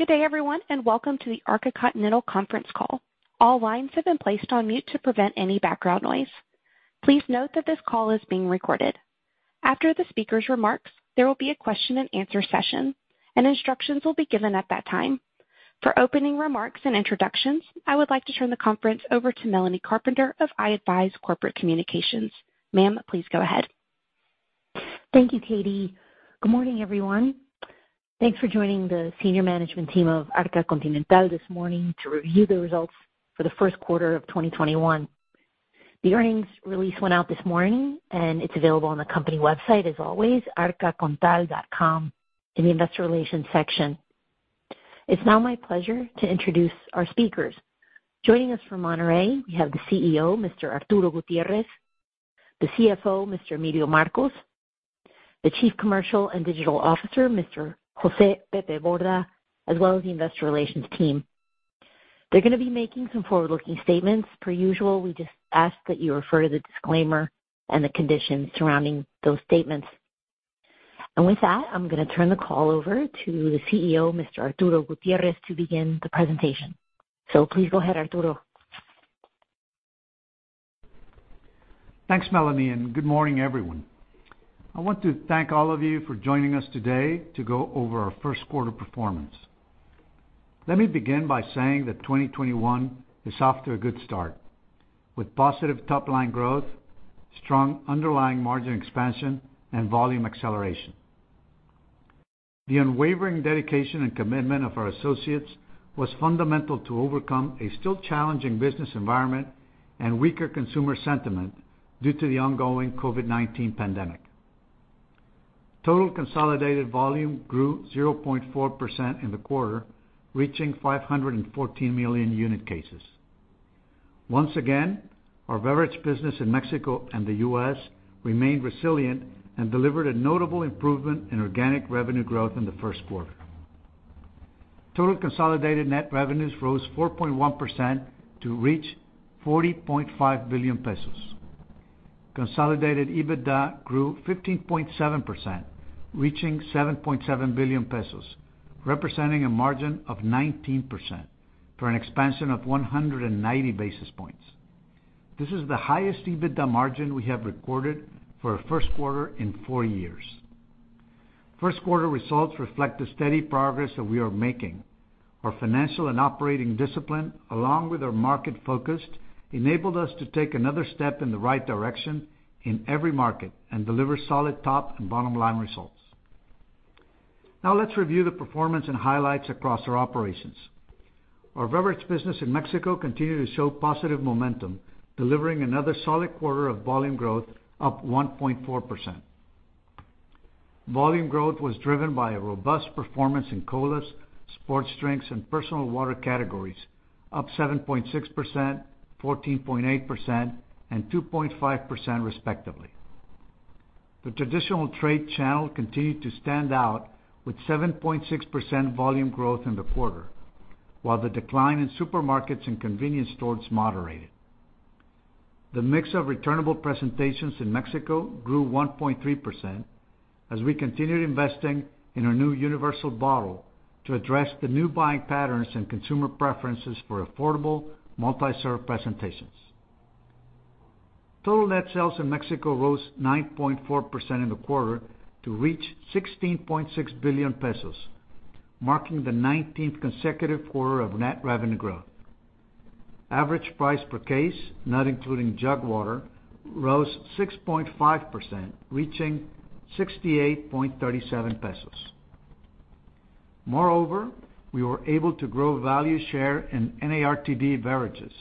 Good day, everyone, and welcome to the Arca Continental conference call. All lines have been placed on mute to prevent any background noise. Please note that this call is being recorded. After the speakers' remarks, there will be a question and answer session, and instructions will be given at that time. For opening remarks and introductions, I would like to turn the conference over to Melanie Carpenter of iAdvize Corporate Communications. Ma'am, please go ahead. Thank you, Katie. Good morning, everyone. Thanks for joining the senior management team of Arca Continental this morning to review the results for the Q1 of 2021. The earnings release went out this morning, and it's available on the company website as always, arcacontal.com, in the investor relations section. It's now my pleasure to introduce our speakers. Joining us from Monterrey, we have the CEO, Mr. Arturo Gutiérrez, the CFO, Mr. Emilio Marcos, the Chief Commercial and Digital Officer, Mr. Jose Pepe Borda, as well as the investor relations team. They're going to be making some forward-looking statements. Per usual, we just ask that you refer to the disclaimer and the conditions surrounding those statements. With that, I'm going to turn the call over to the CEO, Mr. Arturo Gutiérrez, to begin the presentation. Please go ahead, Arturo. Thanks, Melanie. Good morning, everyone. I want to thank all of you for joining us today to go over our first quarter performance. Let me begin by saying that 2021 is off to a good start, with positive top-line growth, strong underlying margin expansion, and volume acceleration. The unwavering dedication and commitment of our associates was fundamental to overcome a still challenging business environment and weaker consumer sentiment due to the ongoing COVID-19 pandemic. Total consolidated volume grew 0.4% in the quarter, reaching 514 million unit cases. Once again, our beverage business in Mexico and the U.S. remained resilient and delivered a notable improvement in organic revenue growth in the Q1. Total consolidated net revenues rose 4.1% to reach $40.5 billion. Consolidated EBITDA grew 15.7%, reaching $7.7 billion, representing a margin of 19%, for an expansion of 190 basis points. This is the highest EBITDA margin we have recorded for a Q1 in 4 years. Q1 results reflect the steady progress that we are making. Our financial and operating discipline, along with our market focus, enabled us to take another step in the right direction in every market and deliver solid top and bottom line results. Let's review the performance and highlights across our operations. Our beverage business in Mexico continued to show positive momentum, delivering another solid quarter of volume growth, up 1.4%. Volume growth was driven by a robust performance in colas, sports drinks, and personal water categories, up 7.6%, 14.8%, and 2.5% respectively. The traditional trade channel continued to stand out with 7.6% volume growth in the quarter, while the decline in supermarkets and convenience stores moderated. The mix of returnable presentations in Mexico grew 1.3% as we continued investing in our new universal bottle to address the new buying patterns and consumer preferences for affordable multi-serve presentations. Total net sales in Mexico rose 9.4% in the quarter to reach $16.6 billion, marking the 19th consecutive quarter of net revenue growth. Average price per case, not including jug water, rose 6.5%, reaching $68.37 billion. Moreover, we were able to grow value share in NARTD beverages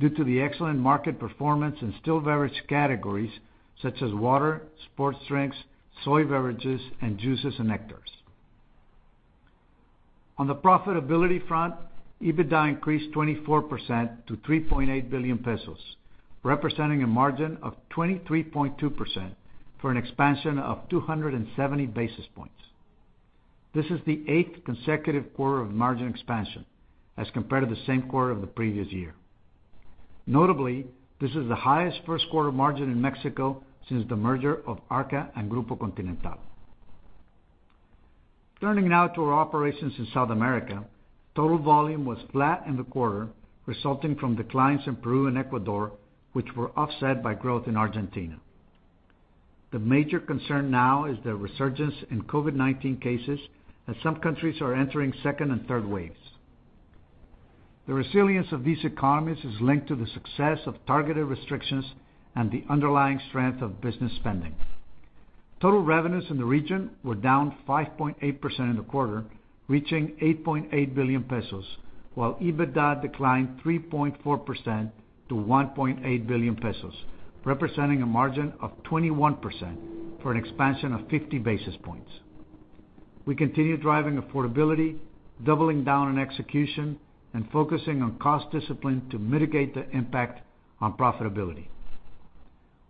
due to the excellent market performance in still beverage categories such as water, sports drinks, soy beverages, and juices and nectars. On the profitability front, EBITDA increased 24% to $3.8 billion, representing a margin of 23.2%, for an expansion of 270 basis points. This is the eighth consecutive quarter of margin expansion as compared to the same quarter of the previous year. Notably, this is the highest first quarter margin in Mexico since the merger of Arca and Grupo Continental. Turning now to our operations in South America. Total volume was flat in the quarter, resulting from declines in Peru and Ecuador, which were offset by growth in Argentina. The major concern now is the resurgence in COVID-19 cases, as some countries are entering second and third waves. The resilience of these economies is linked to the success of targeted restrictions and the underlying strength of business spending. Total revenues in the region were down 5.8% in the quarter, reaching $8.8 billion, while EBITDA declined 3.4% to $1.8 billion, representing a margin of 21%, for an expansion of 50 basis points. We continue driving affordability, doubling down on execution, and focusing on cost discipline to mitigate the impact on profitability.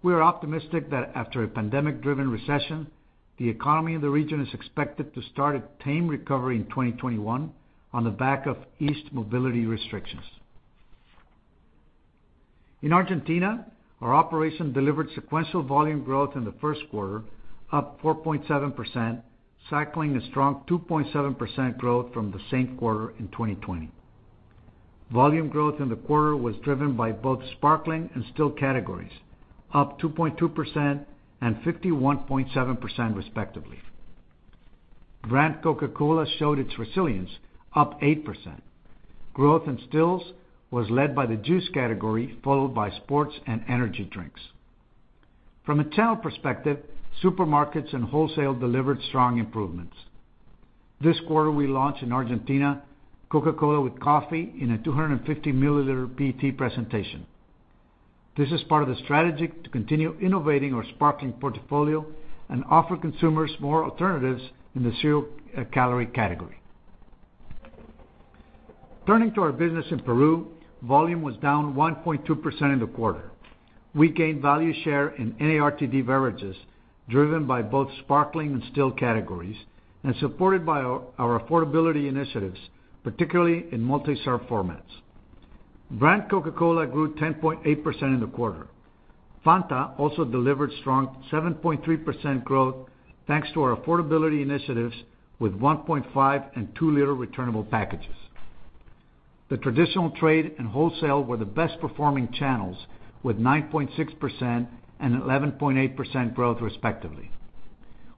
We are optimistic that after a pandemic-driven recession, the economy in the region is expected to start a tame recovery in 2021 on the back of eased mobility restrictions. In Argentina, our operation delivered sequential volume growth in the Q1, up 4.7%, cycling a strong 2.7% growth from the same quarter in 2020. Volume growth in the quarter was driven by both sparkling and still categories, up 2.2% and 51.7% respectively. Brand Coca-Cola showed its resilience, up 8%. Growth in stills was led by the juice category, followed by sports and energy drinks. From a channel perspective, supermarkets and wholesale delivered strong improvements. This quarter, we launched in Argentina Coca-Cola with Coffee in a 250-milliliter PET presentation. This is part of the strategy to continue innovating our sparkling portfolio and offer consumers more alternatives in the zero-calorie category. Turning to our business in Peru, volume was down 1.2% in the quarter. We gained value share in NARTD beverages, driven by both sparkling and still categories, and supported by our affordability initiatives, particularly in multi-serve formats. Brand Coca-Cola grew 10.8% in the quarter. Fanta also delivered strong 7.3% growth, thanks to our affordability initiatives with 1.5- and 2-liter returnable packages. The traditional trade and wholesale were the best-performing channels, with 9.6% and 11.8% growth, respectively.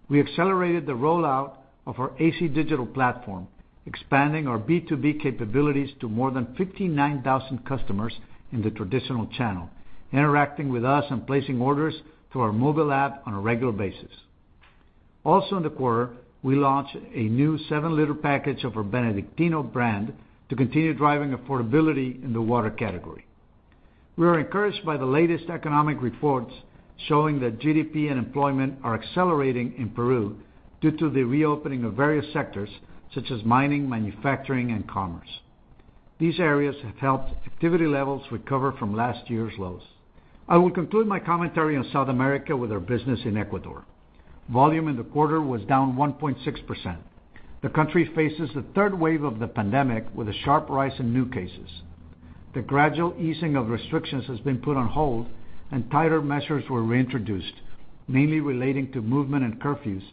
We accelerated the rollout of our AC Digital platform, expanding our B2B capabilities to more than 59,000 customers in the traditional channel, interacting with us and placing orders through our mobile app on a regular basis. Also in the quarter, we launched a new 7-liter package of our Benedictino brand to continue driving affordability in the water category. We are encouraged by the latest economic reports showing that GDP and employment are accelerating in Peru due to the reopening of various sectors such as mining, manufacturing, and commerce. These areas have helped activity levels recover from last year's lows. I will conclude my commentary on South America with our business in Ecuador. Volume in the quarter was down 1.6%. The country faces the third wave of the pandemic with a sharp rise in new cases. The gradual easing of restrictions has been put on hold, and tighter measures were reintroduced, mainly relating to movement and curfews,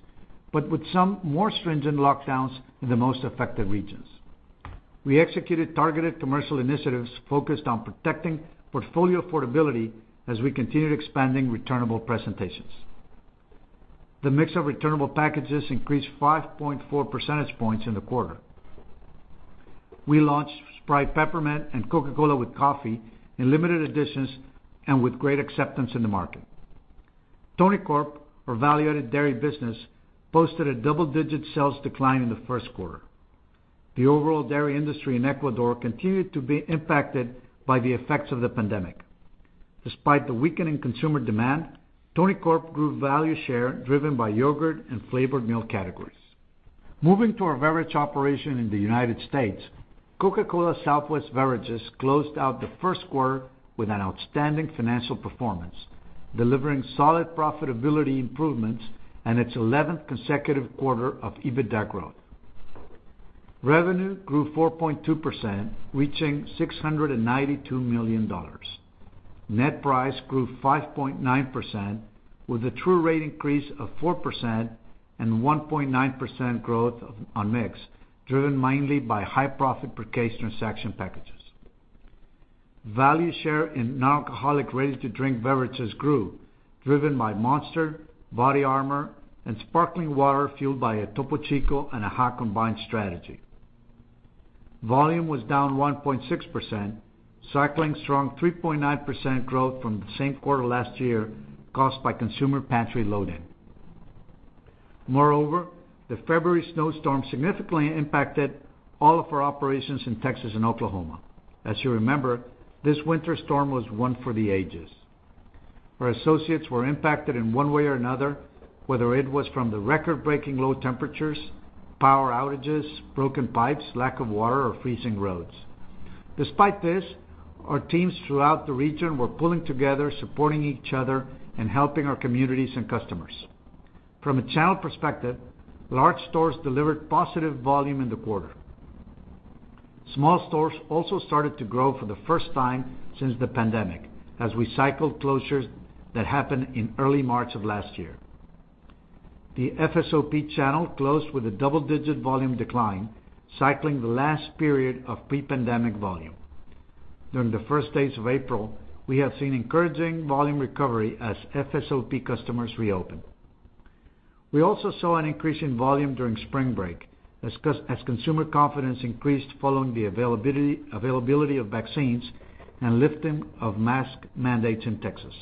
but with some more stringent lockdowns in the most affected regions. We executed targeted commercial initiatives focused on protecting portfolio affordability as we continued expanding returnable presentations. The mix of returnable packages increased 5.4 percentage points in the quarter. We launched Sprite Peppermint and Coca-Cola with Coffee in limited editions and with great acceptance in the market. Tonicorp, our value-added dairy business, posted a double-digit sales decline in the Q1. The overall dairy industry in Ecuador continued to be impacted by the effects of the pandemic. Despite the weakening consumer demand, Tonicorp grew value share driven by yogurt and flavored milk categories. Moving to our beverage operation in the U.S., Coca-Cola Southwest Beverages closed out the first quarter with an outstanding financial performance, delivering solid profitability improvements and its 11th consecutive quarter of EBITDA growth. Revenue grew 4.2%, reaching $692 million. Net price grew 5.9% with a true rate increase of 4% and 1.9% growth on mix, driven mainly by high profit per case transaction packages. Value share in non-alcoholic ready-to-drink beverages grew, driven by Monster, BODYARMOR, and sparkling water, fueled by a Topo Chico and AHA combined strategy. Volume was down 1.6%, cycling strong 3.9% growth from the same quarter last year caused by consumer pantry loading. Moreover, the February snowstorm significantly impacted all of our operations in Texas and Oklahoma. As you remember, this winter storm was one for the ages. Our associates were impacted in one way or another, whether it was from the record-breaking low temperatures, power outages, broken pipes, lack of water, or freezing roads. Despite this, our teams throughout the region were pulling together, supporting each other, and helping our communities and customers. From a channel perspective, large stores delivered positive volume in the quarter. Small stores also started to grow for the first time since the pandemic as we cycled closures that happened in early March of last year. The FSOP channel closed with a double-digit volume decline, cycling the last period of pre-pandemic volume. During the first days of April, we have seen encouraging volume recovery as FSOP customers reopen. We also saw an increase in volume during spring break as consumer confidence increased following the availability of vaccines and lifting of mask mandates in Texas.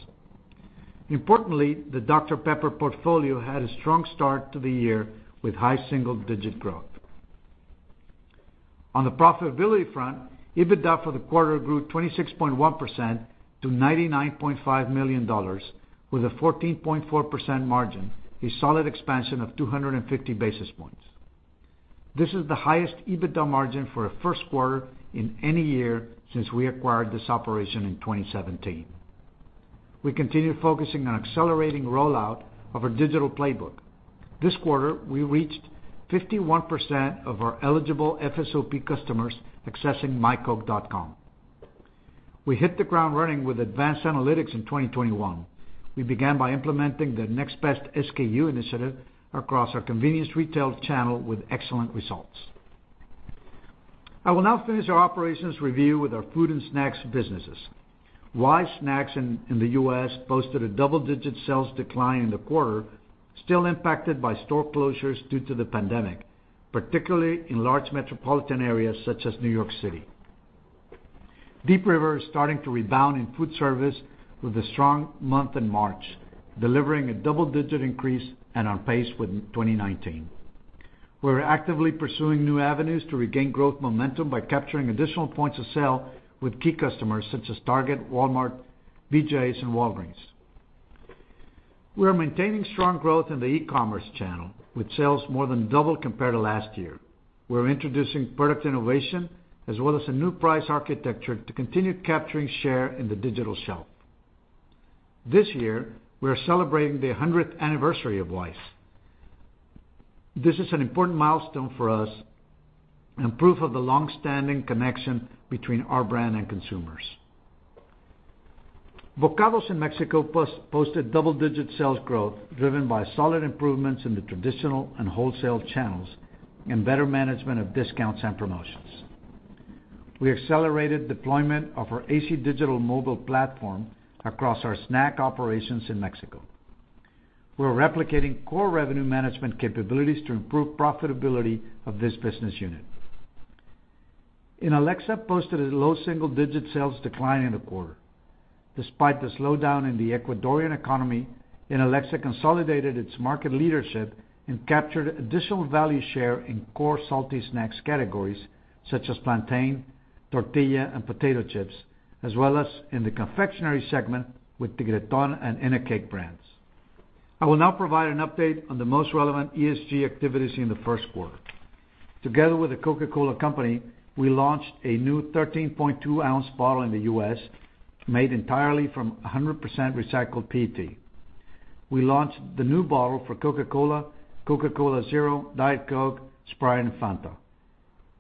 Importantly, the Dr Pepper portfolio had a strong start to the year with high single-digit growth. On the profitability front, EBITDA for the quarter grew 26.1% to $99.5 million, with a 14.4% margin, a solid expansion of 250 basis points. This is the highest EBITDA margin for a Q1 in any year since we acquired this operation in 2017. We continue focusing on accelerating rollout of our digital playbook. This quarter, we reached 51% of our eligible FSOP customers accessing mycoke.com. We hit the ground running with advanced analytics in 2021. We began by implementing the Next Best SKU initiative across our convenience retail channel with excellent results. I will now finish our operations review with our food and snacks businesses. Wise snacks in the U.S. posted a double-digit sales decline in the quarter, still impacted by store closures due to the pandemic, particularly in large metropolitan areas such as New York City. Deep River is starting to rebound in food service with a strong month in March, delivering a double-digit increase and on pace with 2019. We're actively pursuing new avenues to regain growth momentum by capturing additional points of sale with key customers such as Target, Walmart, BJ's, and Walgreens. We are maintaining strong growth in the e-commerce channel, with sales more than double compared to last year. We're introducing product innovation, as well as a new price architecture to continue capturing share in the digital shelf. This year, we are celebrating the 100th anniversary of Wise. This is an important milestone for us and proof of the longstanding connection between our brand and consumers. Bokados in Mexico posted double-digit sales growth driven by solid improvements in the traditional and wholesale channels and better management of discounts and promotions. We accelerated deployment of our AC Digital mobile platform across our snack operations in Mexico. We're replicating core revenue management capabilities to improve profitability of this business unit. Inalecsa posted a low single-digit sales decline in the quarter. Despite the slowdown in the Ecuadorian economy, Inalecsa consolidated its market leadership and captured additional value share in core salty snacks categories such as plantain, tortilla, and potato chips, as well as in the confectionery segment with the Tigreton and Inacake brands. I will now provide an update on the most relevant ESG activities in the Q1. Together with The Coca-Cola Company, we launched a new 13.2-ounce bottle in the U.S. made entirely from 100% recycled PET. We launched the new bottle for Coca-Cola, Coca-Cola Zero, Diet Coke, Sprite, and Fanta.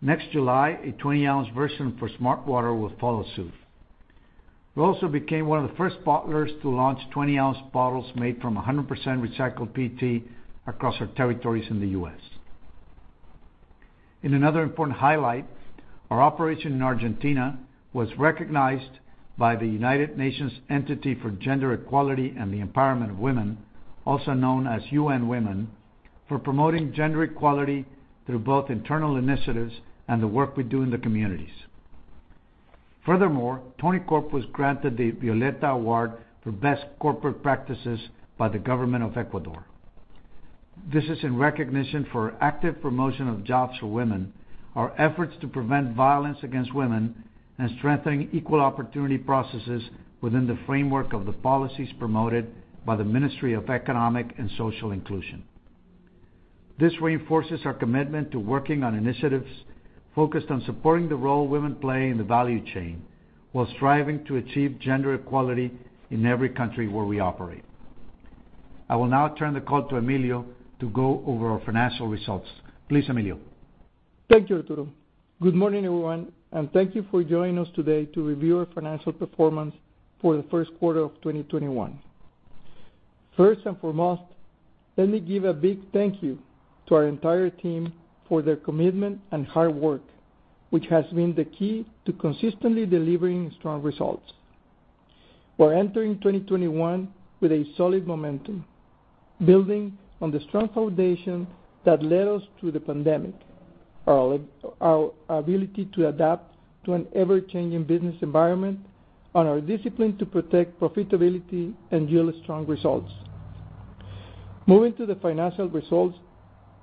Next July, a 20-ounce version for smartwater will follow suit. We also became one of the first bottlers to launch 20-ounce bottles made from 100% recycled PET across our territories in the U.S. In another important highlight, our operation in Argentina was recognized by the United Nations Entity for Gender Equality and the Empowerment of Women, also known as UN Women, for promoting gender equality through both internal initiatives and the work we do in the communities. Furthermore, Tonicorp was granted the Premio Violeta for best corporate practices by the government of Ecuador. This is in recognition for active promotion of jobs for women, our efforts to prevent violence against women, and strengthening equal opportunity processes within the framework of the policies promoted by the Ministry of Economic and Social Inclusion. This reinforces our commitment to working on initiatives focused on supporting the role women play in the value chain while striving to achieve gender equality in every country where we operate. I will now turn the call to Emilio to go over our financial results. Please, Emilio. Thank you, Arturo. Good morning, everyone, and thank you for joining us today to review our financial performance for the Q1 of 2021. First and foremost, let me give a big thank you to our entire team for their commitment and hard work, which has been the key to consistently delivering strong results. We're entering 2021 with a solid momentum, building on the strong foundation that led us through the pandemic, our ability to adapt to an ever-changing business environment, and our discipline to protect profitability and yield strong results. Moving to the financial results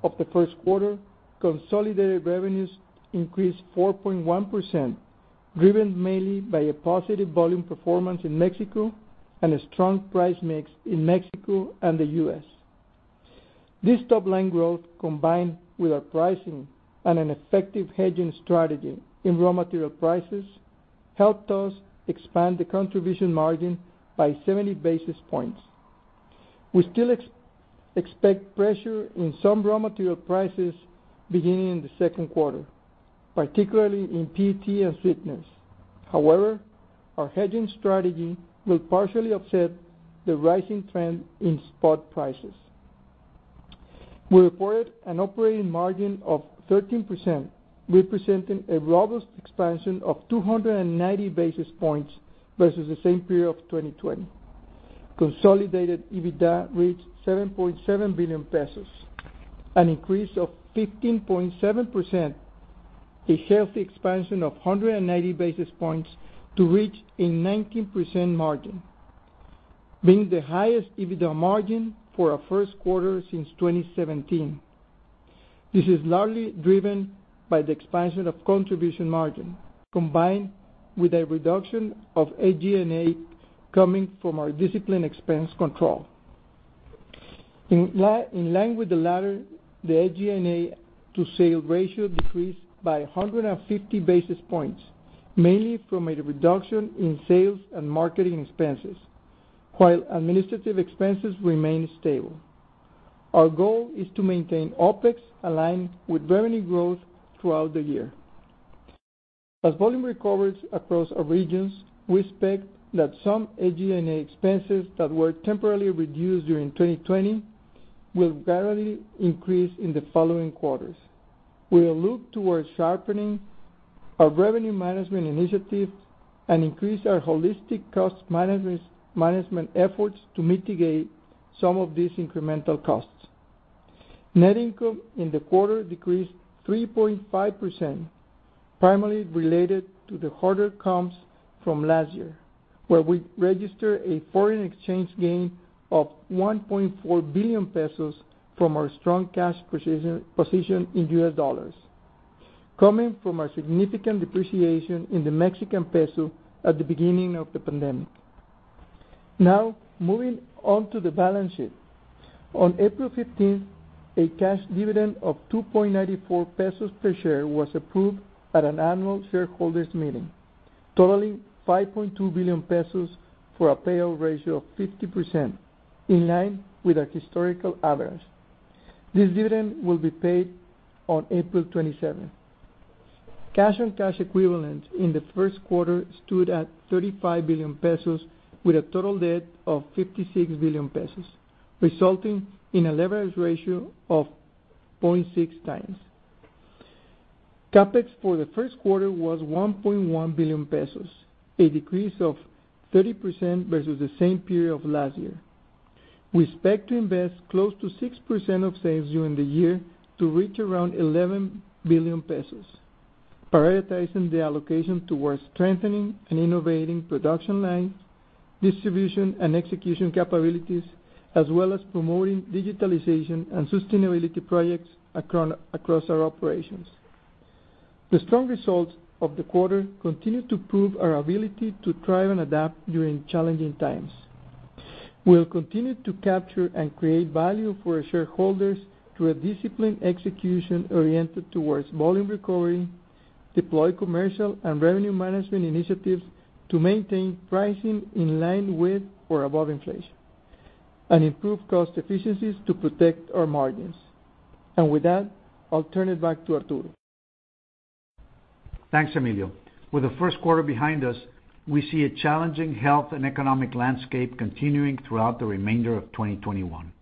of the Q1, consolidated revenues increased 4.1%, driven mainly by a positive volume performance in Mexico and a strong price mix in Mexico and the U.S. This top-line growth, combined with our pricing and an effective hedging strategy in raw material prices, helped us expand the contribution margin by 70 basis points. We still expect pressure in some raw material prices beginning in the second quarter, particularly in PET and sweeteners. However, our hedging strategy will partially offset the rising trend in spot prices. We reported an operating margin of 13%, representing a robust expansion of 290 basis points versus the same period of 2020. Consolidated EBITDA reached $7.7 billion, an increase of 15.7%, a healthy expansion of 190 basis points to reach a 19% margin, being the highest EBITDA margin for a Q1 since 2017. This is largely driven by the expansion of contribution margin, combined with a reduction of SG&A coming from our discipline expense control. In line with the latter, the SG&A to sale ratio decreased by 150 basis points, mainly from a reduction in sales and marketing expenses, while administrative expenses remained stable. Our goal is to maintain OpEx aligned with revenue growth throughout the year. As volume recovers across our regions, we expect that some SG&A expenses that were temporarily reduced during 2020 will gradually increase in the following quarters. We will look towards sharpening our revenue management initiative and increase our holistic cost management efforts to mitigate some of these incremental costs. Net income in the quarter decreased 3.5%, primarily related to the harder comps from last year, where we registered a foreign exchange gain of $1.4 billion from our strong cash position in US dollars, coming from a significant depreciation in the Mexican peso at the beginning of the pandemic. Moving on to the balance sheet. On April 15th, a cash dividend of $2.94 billion per share was approved at an annual shareholders' meeting, totaling $5.2 billion for a payout ratio of 50%, in line with our historical average. This dividend will be paid on April 27th. Cash and cash equivalents in the Q1 stood at $35 billion with a total debt of $56 billion, resulting in a leverage ratio of 0.6 times. CapEx for the first quarter was $1.1 billion, a decrease of 30% versus the same period of last year. We expect to invest close to 6% of sales during the year to reach around $11 billion, prioritizing the allocation towards strengthening and innovating production lines, distribution, and execution capabilities, as well as promoting digitalization and sustainability projects across our operations. The strong results of the quarter continue to prove our ability to thrive and adapt during challenging times. We'll continue to capture and create value for our shareholders through a disciplined execution oriented towards volume recovery, deploy commercial and revenue management initiatives to maintain pricing in line with or above inflation, and improve cost efficiencies to protect our margins. With that, I'll turn it back to Arturo. Thanks, Emilio. With the Q1 behind us, we see a challenging health and economic landscape continuing throughout the remainder of 2021.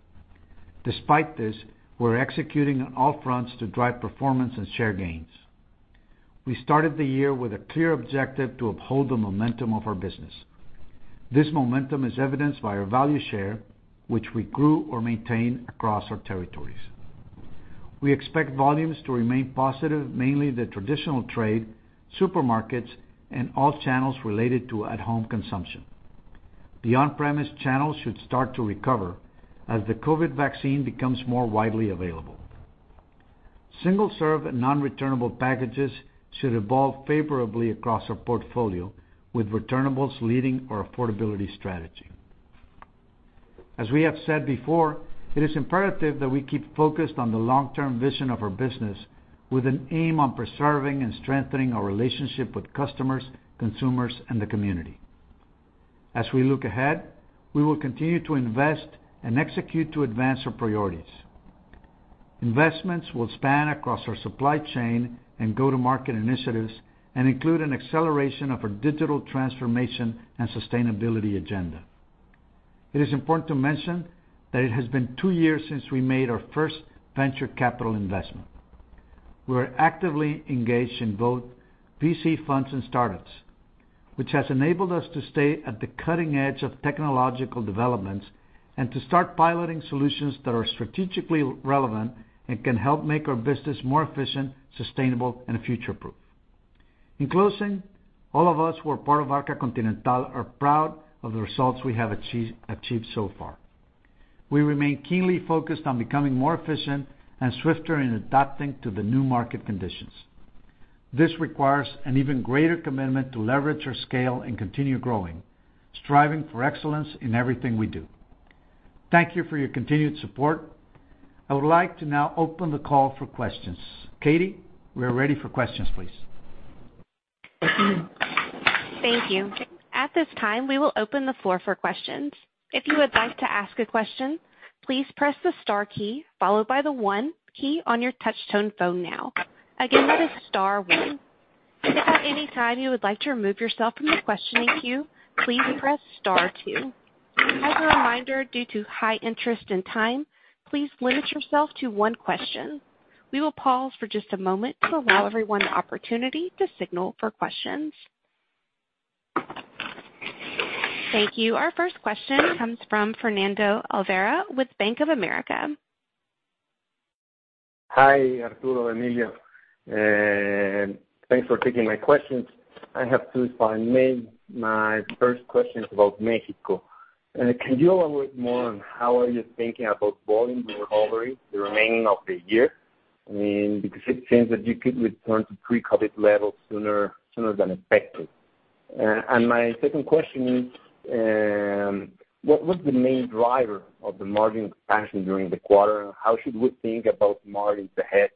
Despite this, we're executing on all fronts to drive performance and share gains. We started the year with a clear objective to uphold the momentum of our business. This momentum is evidenced by our value share, which we grew or maintained across our territories. We expect volumes to remain positive, mainly the traditional trade, supermarkets, and all channels related to at-home consumption. The on-premise channels should start to recover as the COVID vaccine becomes more widely available. Single-serve and non-returnable packages should evolve favorably across our portfolio, with returnables leading our affordability strategy. As we have said before, it is imperative that we keep focused on the long-term vision of our business with an aim on preserving and strengthening our relationship with customers, consumers, and the community. As we look ahead, we will continue to invest and execute to advance our priorities. Investments will span across our supply chain and go-to-market initiatives and include an acceleration of our digital transformation and sustainability agenda. It is important to mention that it has been two years since we made our first venture capital investment. We are actively engaged in both VC funds and startups, which has enabled us to stay at the cutting edge of technological developments and to start piloting solutions that are strategically relevant and can help make our business more efficient, sustainable, and future-proof. In closing, all of us who are part of Arca Continental are proud of the results we have achieved so far. We remain keenly focused on becoming more efficient and swifter in adapting to the new market conditions. This requires an even greater commitment to leverage our scale and continue growing, striving for excellence in everything we do. Thank you for your continued support. I would like to now open the call for questions. Katie, we're ready for questions, please. Thank you. At this time, we will open the floor for questions. If you would like to ask a question, please press the star key followed by the one key on your touch tone phone now. Again, that is star one. If at any time you would like to remove yourself from the questioning queue, please press star two. As a reminder, due to high interest and time, please limit yourself to one question. We will pause for just a moment to allow everyone the opportunity to signal for questions. Thank you. Our first question comes from Fernando Olvera with Bank of America. Hi, Arturo, Emilio, and thanks for taking my questions. I have two. If I may, my first question is about Mexico. Can you elaborate more on how are you thinking about volume recovery the remaining of the year? Because it seems that you could return to pre-COVID-19 levels sooner than expected. My second question is, what was the main driver of the margin expansion during the quarter, and how should we think about margins ahead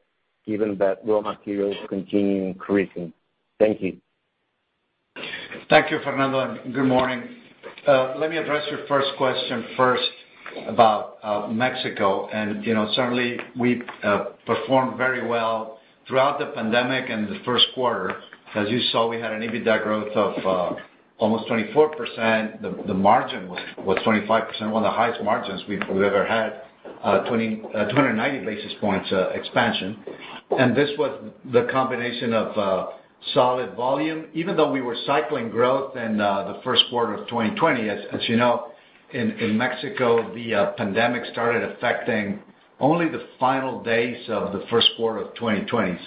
given that raw materials continue increasing? Thank you. Thank you, Fernando, and good morning. Let me address your first question first about Mexico. Certainly, we've performed very well throughout the pandemic and the Q1. As you saw, we had an EBITDA growth of almost 24%. The margin was 25%, one of the highest margins we've ever had, 290 basis points expansion. This was the combination of solid volume, even though we were cycling growth in the Q1 of 2020. As you know, in Mexico, the pandemic started affecting only the final days of the Q1 of 2020.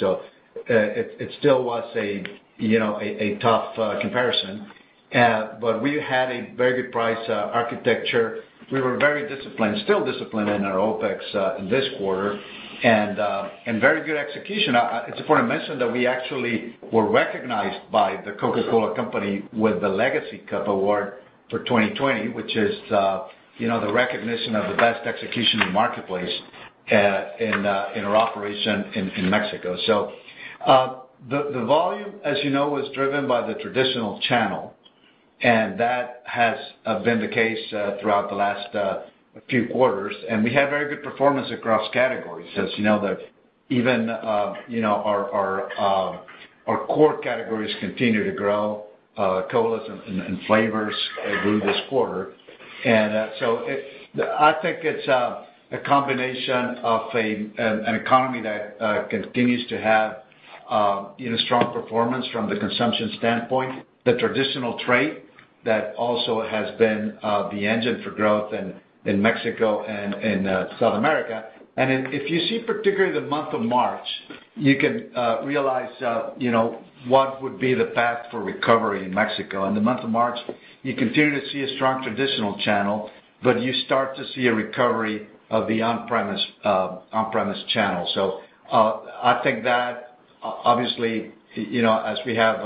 It still was a tough comparison. We had a very good price architecture. We were very disciplined, still disciplined in our OpEx in this quarter, and very good execution. It's important to mention that we actually were recognized by the Coca-Cola Company with the Legacy Cup Award for 2020, which is the recognition of the best execution in the marketplace in our operation in Mexico. The volume, as you know, was driven by the traditional channel, and that has been the case throughout the last few quarters. We had very good performance across categories. As you know, even our core categories continue to grow, colas and flavors grew this quarter. I think it's a combination of an economy that continues to have strong performance from the consumption standpoint, the traditional trade that also has been the engine for growth in Mexico and in South America. If you see particularly the month of March, you can realize what would be the path for recovery in Mexico. In the month of March, you continue to see a strong traditional channel, but you start to see a recovery of the on-premise channel. I think that, obviously, as we have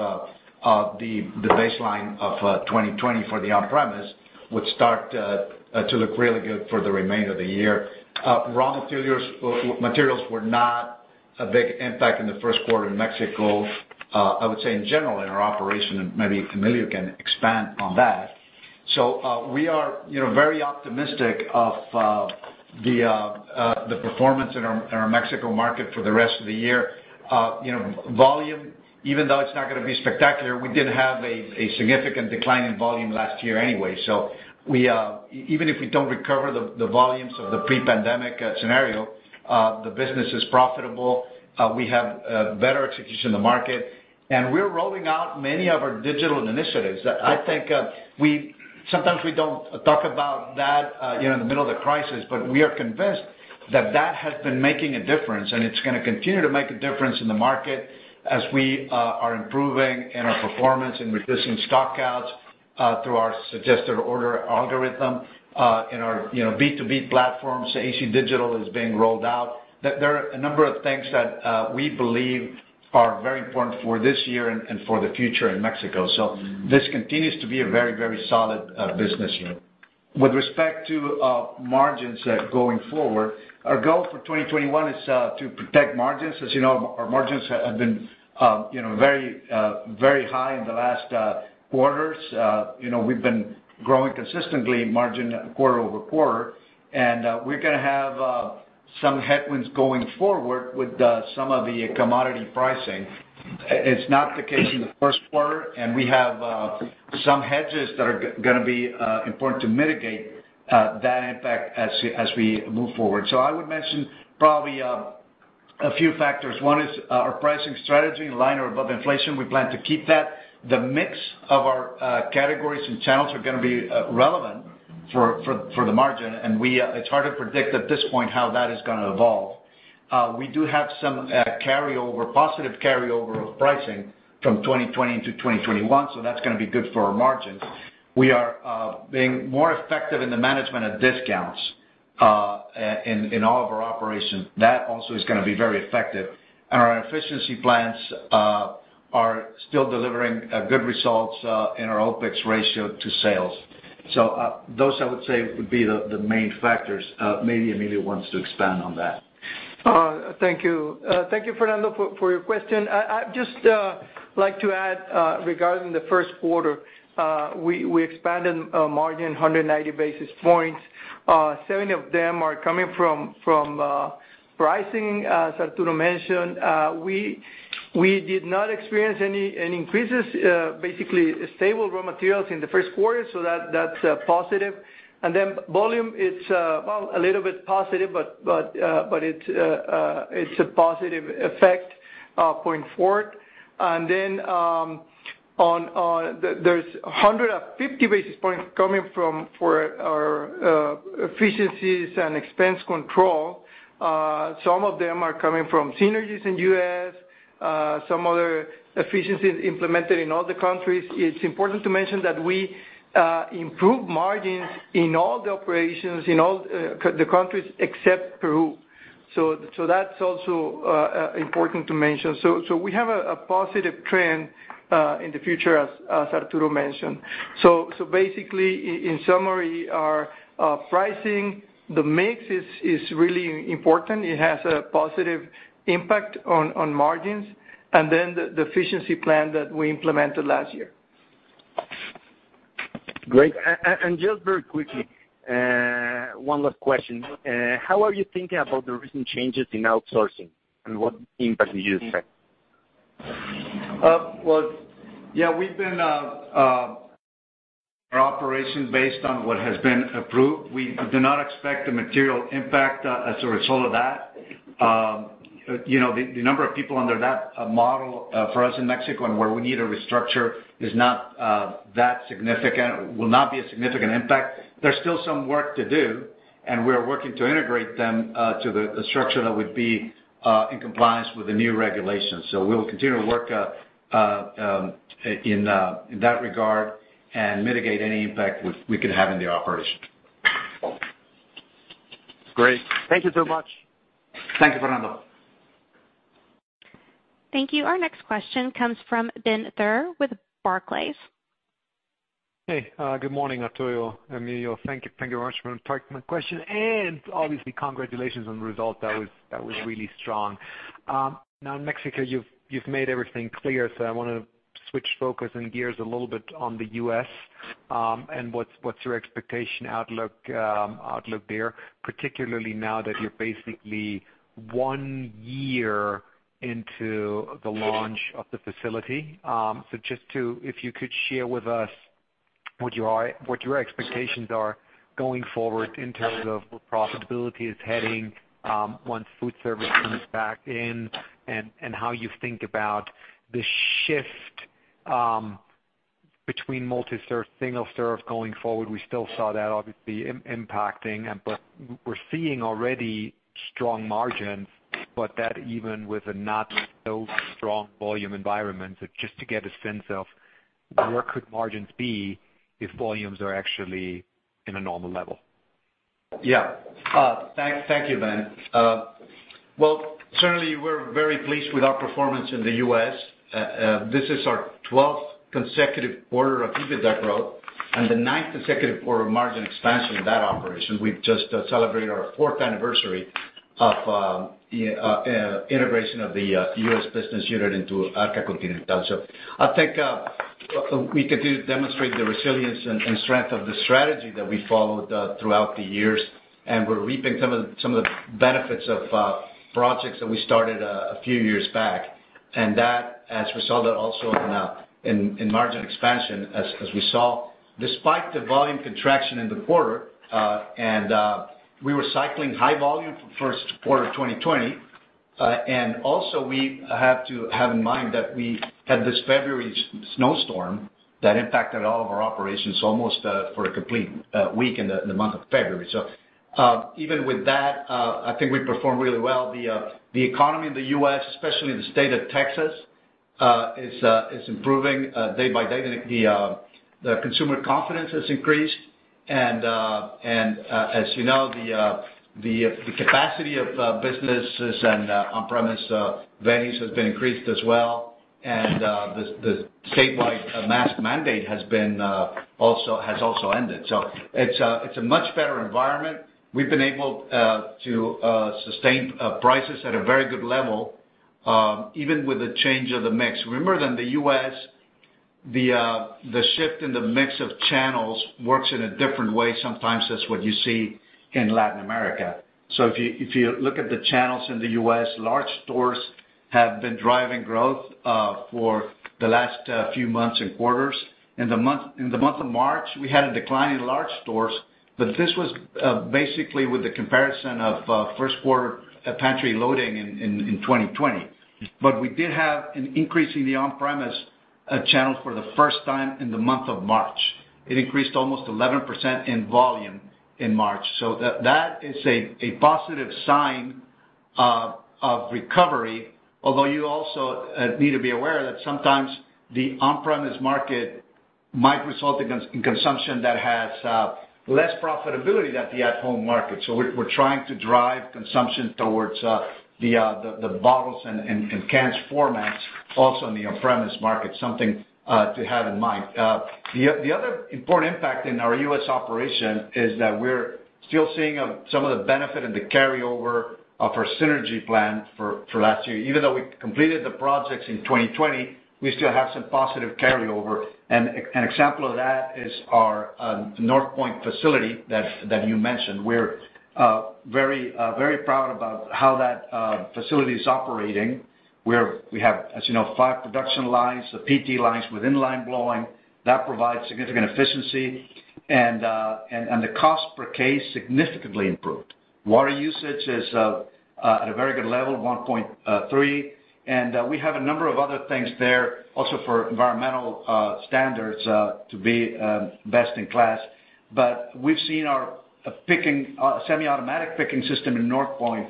the baseline of 2020 for the on-premise, would start to look really good for the remainder of the year. Raw materials were not a big impact in the Q1 in Mexico, I would say, in general, in our operation, and maybe Emilio can expand on that. We are very optimistic of the performance in our Mexico market for the rest of the year. Volume, even though it's not going to be spectacular, we did have a significant decline in volume last year anyway. Even if we don't recover the volumes of the pre-pandemic scenario, the business is profitable. We have better execution in the market. we're rolling out many of our digital initiatives that I think sometimes we don't talk about that in the middle of the crisis, but we are convinced that that has been making a difference, and it's going to continue to make a difference in the market as we are improving in our performance, in reducing stockouts through our suggested order algorithm, in our B2B platforms, AC Digital is being rolled out. There are a number of things that we believe are very important for this year and for the future in Mexico. this continues to be a very solid business unit. With respect to margins going forward, our goal for 2021 is to protect margins. As you know, our margins have been very high in the last quarters. We've been growing consistently margin quarter-over-quarter. We're going to have some headwinds going forward with some of the commodity pricing. It's not the case in the Q1, and we have some hedges that are going to be important to mitigate that impact as we move forward. I would mention probably a few factors. One is our pricing strategy in line or above inflation. We plan to keep that. The mix of our categories and channels are going to be relevant for the margin. It's hard to predict at this point how that is going to evolve. We do have some positive carryover of pricing from 2020 to 2021, so that's going to be good for our margins. We are being more effective in the management of discounts in all of our operations. That also is going to be very effective. our efficiency plans are still delivering good results in our OpEx ratio to sales. those, I would say, would be the main factors. Maybe Emilio wants to expand on that. Thank you. Thank you, Fernando, for your question. I just like to add, regarding the first quarter, we expanded margin 190 basis points. Seven of them are coming from pricing. As Arturo mentioned, we did not experience any increases, basically stable raw materials in the Q1, so that's a positive. Volume, it's a little bit positive, but it's a positive effect going forward. There's 150 basis points coming from our efficiencies and expense control. Some of them are coming from synergies in U.S. Some other efficiencies implemented in all the countries. It's important to mention that we improved margins in all the operations, in all the countries except Peru. That's also important to mention. We have a positive trend in the future, as Arturo mentioned. Basically, in summary, our pricing, the mix is really important. It has a positive impact on margins and then the efficiency plan that we implemented last year. Great. Just very quickly, one last question. How are you thinking about the recent changes in outsourcing and what impact do you expect? Well, yeah, we've been operating based on what has been approved. We do not expect a material impact as a result of that. The number of people under that model for us in Mexico and where we need a restructure is not that significant, will not be a significant impact. There's still some work to do, and we're working to integrate them to the structure that would be in compliance with the new regulations. We will continue to work in that regard and mitigate any impact we could have in the operation. Great. Thank you so much. Thank you, Fernando. Thank you. Our next question comes from Benjamin Theurer with Barclays. Hey, good morning, Arturo, Emilio. Thank you very much for taking my question, and obviously, congratulations on the result. That was really strong. Now in Mexico, you've made everything clear, so I want to switch focus and gears a little bit on the U.S. and what's your expectation outlook there, particularly now that you're basically one year into the launch of the facility. Just if you could share with us what your expectations are going forward in terms of where profitability is heading once food service comes back in, and how you think about the shift between multi-serve, single-serve going forward. We still saw that obviously impacting, but we're seeing already strong margins, but that even with a not so strong volume environment. Just to get a sense of where could margins be if volumes are actually in a normal level. Yeah. Thank you, Ben. Well, certainly, we're very pleased with our performance in the U.S. This is our 12th consecutive quarter of EBITDA growth and the ninth consecutive quarter of margin expansion in that operation. We've just celebrated our 4th anniversary of integration of the U.S. business unit into Arca Continental. I think we continue to demonstrate the resilience and strength of the strategy that we followed throughout the years, and we're reaping some of the benefits of projects that we started a few years back. That, as we saw that also in margin expansion, as we saw, despite the volume contraction in the quarter, and we were cycling high volume for Q1 of 2020. Also, we have to have in mind that we had this February snowstorm that impacted all of our operations almost for a complete week in the month of February. Even with that, I think we performed really well. The economy in the U.S., especially in the state of Texas, is improving day by day. The consumer confidence has increased, and as you know, the capacity of businesses and on-premise venues has been increased as well, and the statewide mask mandate has also ended. It's a much better environment. We've been able to sustain prices at a very good level, even with the change of the mix. Remember that in the U.S., the shift in the mix of channels works in a different way sometimes as what you see in Latin America. If you look at the channels in the U.S., large stores have been driving growth for the last few months and quarters. In the month of March, we had a decline in large stores, but this was basically with the comparison of first quarter pantry loading in 2020. We did have an increase in the on-premise channel for the first time in the month of March. It increased almost 11% in volume in March. That is a positive sign of recovery, although you also need to be aware that sometimes the on-premise market might result in consumption that has less profitability than the at-home market. We're trying to drive consumption towards the bottles and cans formats also in the on-premise market, something to have in mind. The other important impact in our U.S. operation is that we're still seeing some of the benefit and the carryover of our synergy plan for last year. Even though we completed the projects in 2020, we still have some positive carryover. An example of that is our North Point facility that you mentioned. We're very proud about how that facility is operating, where we have, as you know, five production lines, the PET lines with in-line blowing. That provides significant efficiency, and the cost per case significantly improved. Water usage is at a very good level, 1.3, and we have a number of other things there also for environmental standards to be best in class. We've seen our semi-automatic picking system in North Point,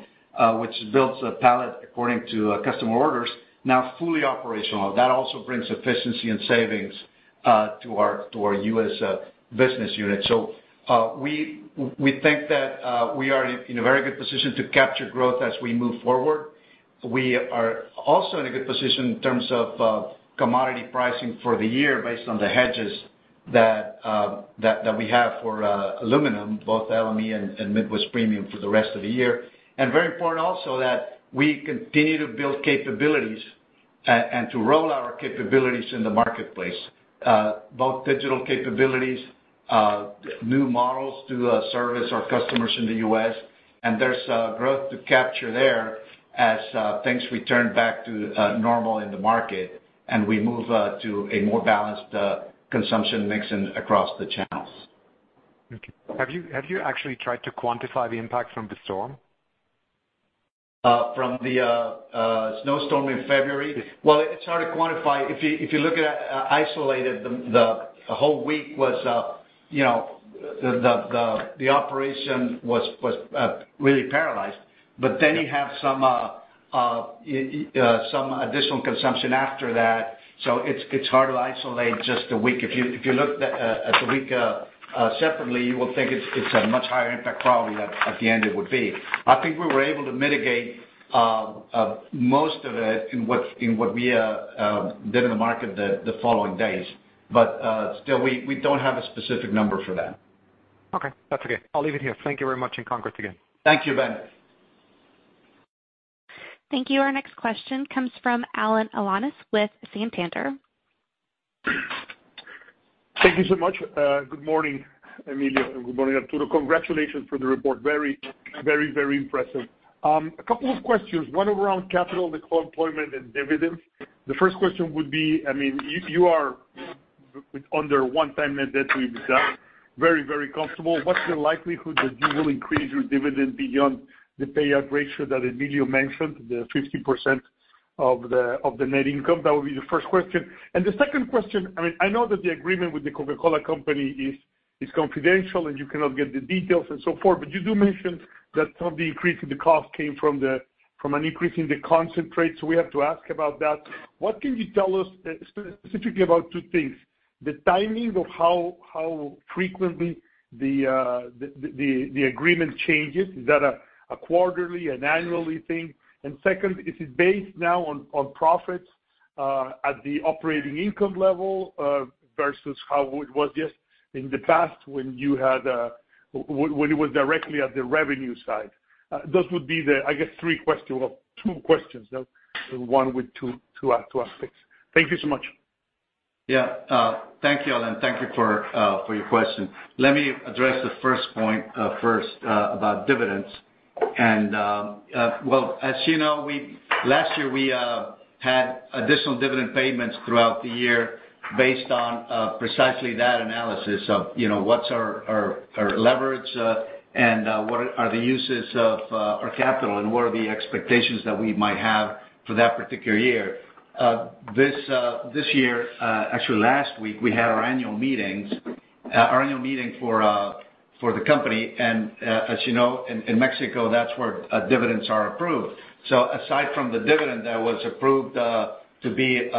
which builds a pallet according to customer orders, now fully operational. That also brings efficiency and savings to our U.S. business unit. We think that we are in a very good position to capture growth as we move forward. We are also in a good position in terms of commodity pricing for the year, based on the hedges that we have for aluminum, both LME and Midwest Premium for the rest of the year. very important also, that we continue to build capabilities and to roll out our capabilities in the marketplace, both digital capabilities, new models to service our customers in the U.S., and there's growth to capture there as things return back to normal in the market and we move to a more balanced consumption mix across the channels. Okay. Have you actually tried to quantify the impact from the storm? From the snowstorm in February? Yes. Well, it's hard to quantify. If you look at it isolated, the whole week, the operation was really paralyzed. You have some additional consumption after that. It's hard to isolate just the week. If you look at the week separately, you will think it's a much higher impact probably than at the end it would be. I think we were able to mitigate most of it in what we did in the market the following days. Still, we don't have a specific number for that. Okay. That's okay. I'll leave it here. Thank you very much, and congrats again. Thank you, Ben. Thank you. Our next question comes from Alan Alanis with Santander. Thank you so much. Good morning, Emilio, and good morning, Arturo. Congratulations for the report. Very impressive. A couple of questions, one around capital deployment and dividends. The first question would be, you are under one time net debt to EBITDA, very comfortable. What's the likelihood that you will increase your dividend beyond the payout ratio that Emilio mentioned, the 50% of the net income? That would be the first question. The second question, I know that the agreement with The Coca-Cola Company is confidential, and you cannot get the details and so forth, but you do mention that some of the increase in the cost came from an increase in the concentrate, so we have to ask about that. What can you tell us specifically about two things, the timing of how frequently the agreement changes? Is that a quarterly, annually thing? Second, is it based now on profits at the operating income level versus how it was just in the past when it was directly at the revenue side? Those would be the, I guess two questions, one with two aspects. Thank you so much. Yeah. Thank you, Alan. Thank you for your question. Let me address the first point first about dividends. Well, as you know, last year we had additional dividend payments throughout the year based on precisely that analysis of what's our leverage and what are the uses of our capital and what are the expectations that we might have for that particular year. This year, actually last week, we had our annual meeting for the company. As you know, in Mexico, that's where dividends are approved. Aside from the dividend that was approved to be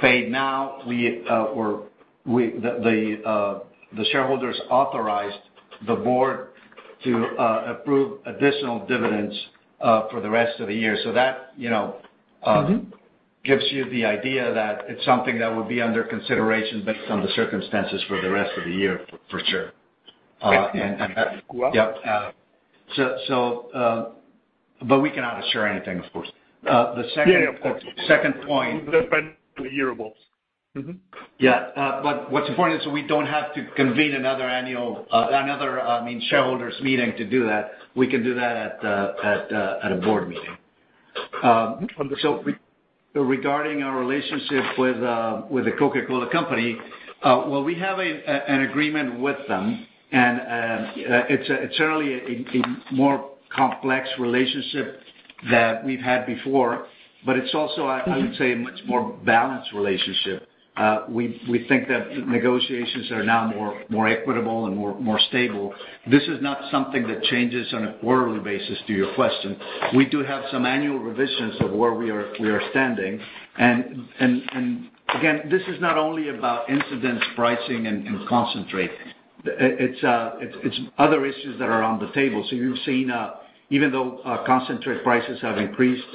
paid now, the shareholders authorized the board to approve additional dividends for the rest of the year. That gives you the idea that it's something that would be under consideration based on the circumstances for the rest of the year, for sure. Thank you. Yeah. We cannot assure anything, of course. Yeah, of course. The second point- Depend who the year was. Mm-hmm. Yeah. What's important is we don't have to convene another shareholders meeting to do that. We can do that at a board meeting. Understood. regarding our relationship with The Coca-Cola Company, well, we have an agreement with them, and it's certainly a more complex relationship that we've had before, but it's also, I would say, a much more balanced relationship. We think that negotiations are now more equitable and more stable. This is not something that changes on a quarterly basis, to your question. We do have some annual revisions of where we are standing. again, this is not only about incidence pricing and concentrate. It's other issues that are on the table. you've seen, even though concentrate prices have increased,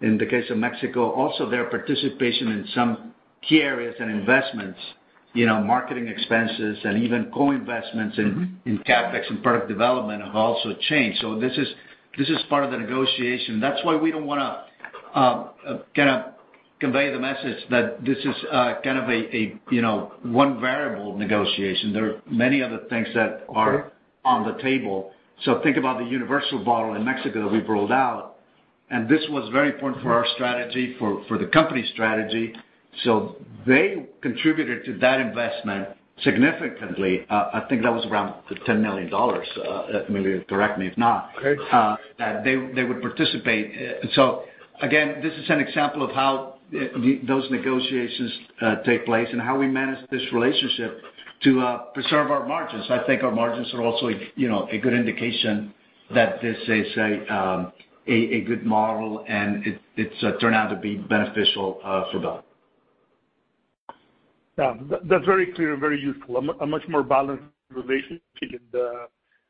in the case of Mexico, also their participation in some key areas and investments, marketing expenses, and even co-investments in CapEx and product development have also changed. this is part of the negotiation. That's why we don't want to convey the message that this is a one variable negotiation. There are many other things that are Okay on the table. think about the universal bottle in Mexico that we've rolled out, and this was very important for our strategy, for the company strategy. they contributed to that investment significantly. I think that was around $10 million. Emilio, correct me if not. Okay. That they would participate. Again, this is an example of how those negotiations take place and how we manage this relationship to preserve our margins. I think our margins are also a good indication that this is a good model and it's turned out to be beneficial for both. Yeah. That's very clear, very useful. A much more balanced relationship.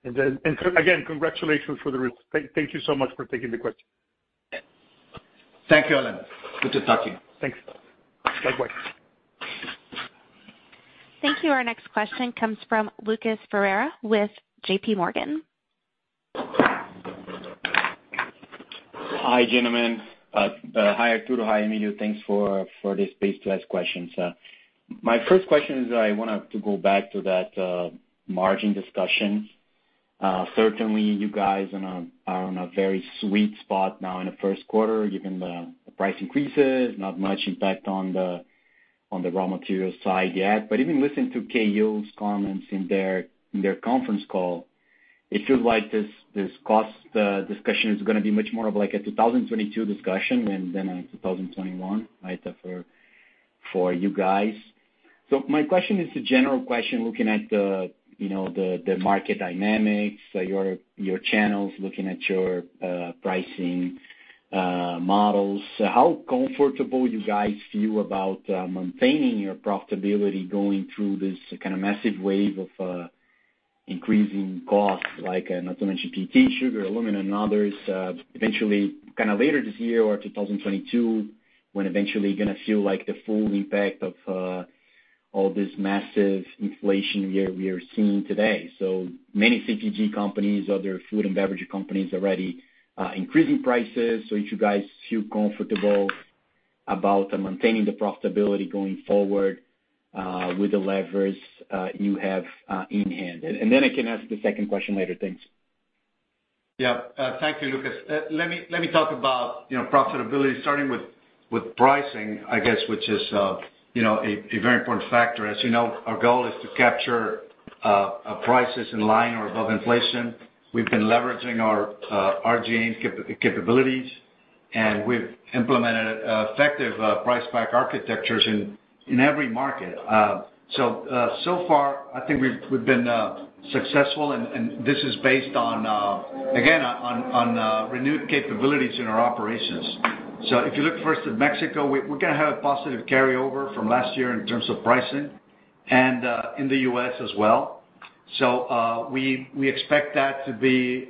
Again, congratulations for the results. Thank you so much for taking the question. Thank you, Alan. Good just talking. Thanks. Likewise. Thank you. Our next question comes from Lucas Ferreira with JPMorgan. Hi, gentlemen. Hi, Arturo. Hi, Emilio. Thanks for the space to ask questions. My first question is I wanted to go back to that margin discussion. Certainly, you guys are on a very sweet spot now in the Q1, given the price increases, not much impact on the raw material side yet. Even listening to KO's comments in their conference call, it feels like this cost discussion is going to be much more of like a 2022 discussion than a 2021, right, for you guys. My question is a general question, looking at the market dynamics, your channels, looking at your pricing models. How comfortable you guys feel about maintaining your profitability going through this kind of massive wave of increasing costs, like not to mention PET, sugar, aluminum, and others, eventually kind of later this year or 2022, when eventually you're going to feel the full impact of all this massive inflation we are seeing today. Many CPG companies, other food and beverage companies already increasing prices. If you guys feel comfortable about maintaining the profitability going forward with the levers you have in hand. Then I can ask the second question later. Thanks. Yeah. Thank you, Lucas. Let me talk about profitability starting with pricing, I guess, which is a very important factor. As you know, our goal is to capture prices in line or above inflation. We've been leveraging our RGM capabilities, and we've implemented effective price pack architectures in every market. So far, I think we've been successful, and this is based on, again, on renewed capabilities in our operations. If you look first at Mexico, we're going to have a positive carryover from last year in terms of pricing, and in the U.S. as well. We expect that to be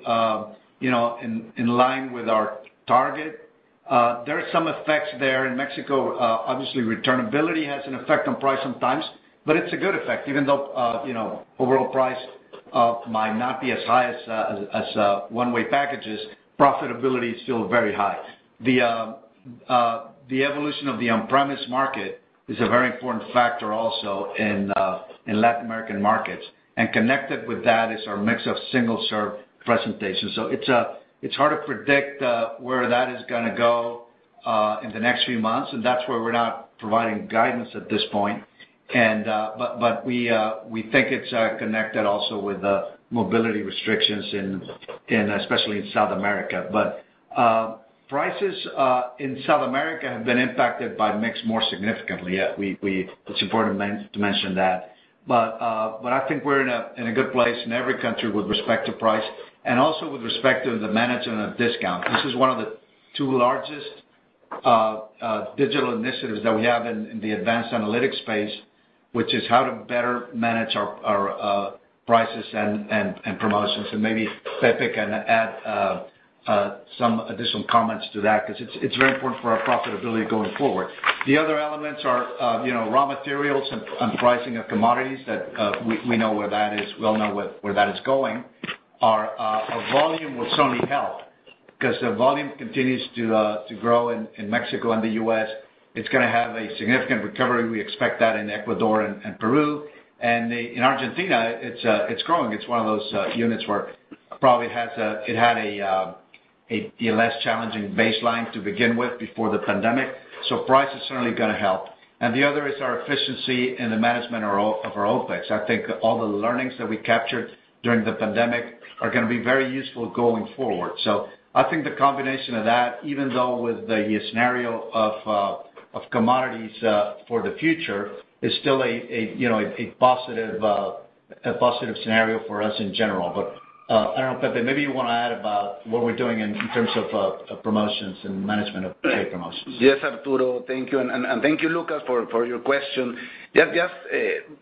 in line with our target. There are some effects there in Mexico. Obviously, returnability has an effect on price sometimes, but it's a good effect. Even though overall price might not be as high as one-way packages, profitability is still very high. The evolution of the on-premise market is a very important factor also in Latin American markets. Connected with that is our mix of single-serve presentations. It's hard to predict where that is going to go in the next few months, and that's where we're not providing guidance at this point. Prices in South America have been impacted by mix more significantly. It's important to mention that. I think we're in a good place in every country with respect to price and also with respect to the management of discount. This is one of the two largest digital initiatives that we have in the advanced analytics space, which is how to better manage our prices and promotions. Maybe Pepe can add some additional comments to that because it's very important for our profitability going forward. The other elements are raw materials and pricing of commodities that we know where that is. We all know where that is going. Our volume will certainly help because the volume continues to grow in Mexico and the U.S. It's going to have a significant recovery. We expect that in Ecuador and Peru. In Argentina, it's growing. It's one of those units where probably it had a less challenging baseline to begin with before the pandemic. Price is certainly going to help. The other is our efficiency in the management of our OpEx. I think all the learnings that we captured during the pandemic are going to be very useful going forward. I think the combination of that, even though with the scenario of commodities for the future, is still a positive scenario for us in general. I don't know, Pepe, maybe you want to add about what we're doing in terms of promotions and management of trade promotions. Yes, Arturo. Thank you, and thank you, Lucas, for your question. Yes.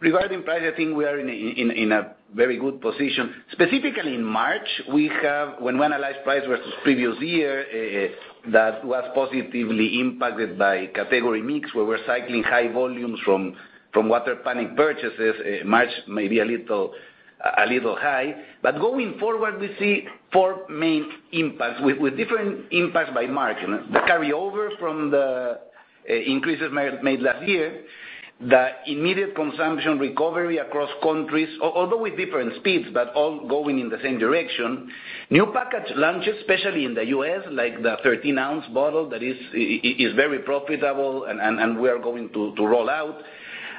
Regarding pricing, I think we are in a very good position. Specifically in March, when we analyzed price versus previous year, that was positively impacted by category mix, where we're cycling high volumes from water panic purchases. March may be a little high. Going forward, we see four main impacts with different impacts by market. The carryover from the increases made last year, the immediate consumption recovery across countries, although with different speeds, but all going in the same direction. New package launches, especially in the U.S., like the 13-ounce bottle that is very profitable and we are going to roll out.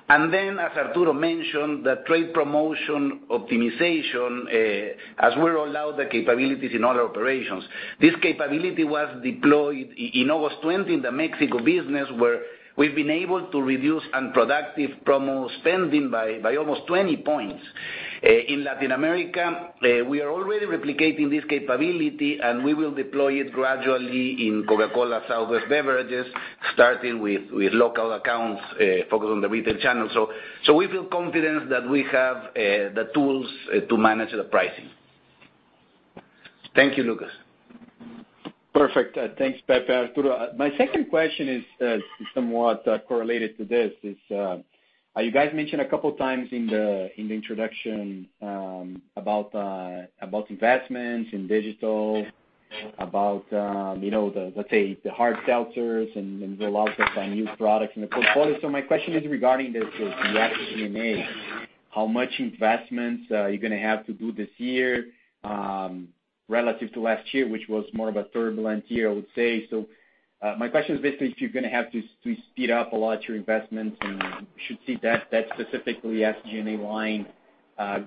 As Arturo mentioned, the trade promotion optimization, as we roll out the capabilities in all operations. This capability was deployed in August 2020 in the Mexico business, where we've been able to reduce unproductive promo spending by almost 20 points. In Latin America, we are already replicating this capability, and we will deploy it gradually in Coca-Cola Southwest Beverages, starting with local accounts, focused on the retail channel. We feel confident that we have the tools to manage the pricing. Thank you, Lucas. Perfect. Thanks, Felipe, Arturo. My second question is somewhat correlated to this. You guys mentioned a couple of times in the introduction about investments in digital, about, let's say, the hard seltzers and the launch of some new products in the portfolio. My question is regarding the SG&A, how much investments are you going to have to do this year relative to last year, which was more of a turbulent year, I would say. My question is basically if you're going to have to speed up a lot your investments and we should see that specifically SG&A line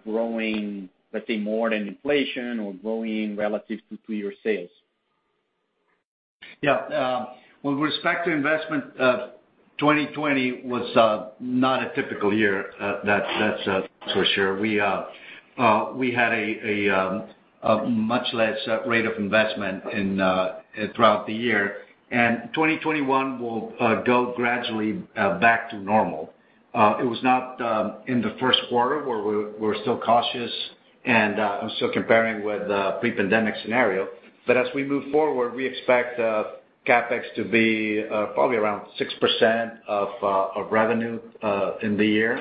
growing, let's say, more than inflation or growing relative to your sales. Yeah. With respect to investment, 2020 was not a typical year. That's for sure. We had a much less rate of investment throughout the year. 2021 will go gradually back to normal. It was not in the Q1 where we're still cautious and I'm still comparing with pre-pandemic scenario. As we move forward, we expect CapEx to be probably around 6% of revenue in the year,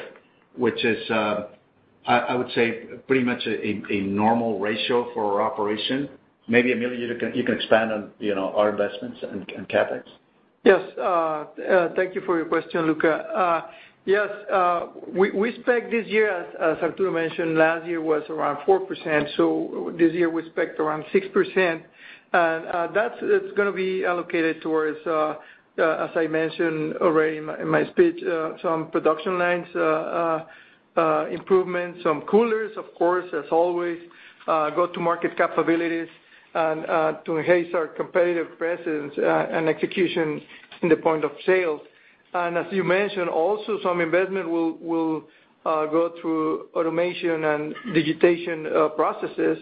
which is, I would say, pretty much a normal ratio for our operation. Maybe, Emilio Marcos, you can expand on our investments and CapEx. Yes. Thank you for your question, Lucas. Yes, we expect this year, as Arturo mentioned, last year was around 4%, so this year we expect around 6%. That's going to be allocated towards, as I mentioned already in my speech, some production lines improvements, some coolers, of course, as always, go to market capabilities and to enhance our competitive presence and execution in the point of sale. As you mentioned, also some investment will go through automation and digitization processes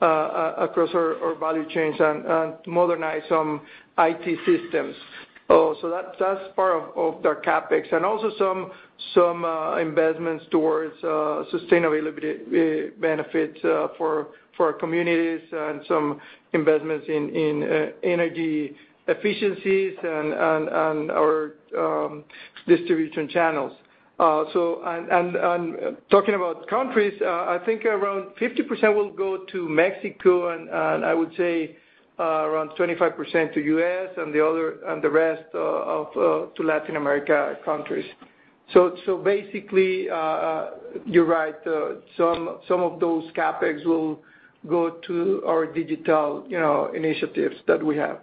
across our value chains and modernize some IT systems. That's part of our CapEx. Also some investments towards sustainability benefits for our communities and some investments in energy efficiencies and our distribution channels. Talking about countries, I think around 50% will go to Mexico, and I would say around 25% to U.S. and the rest to Latin America countries. Basically, you're right. Some of those CapEx will go to our digital initiatives that we have.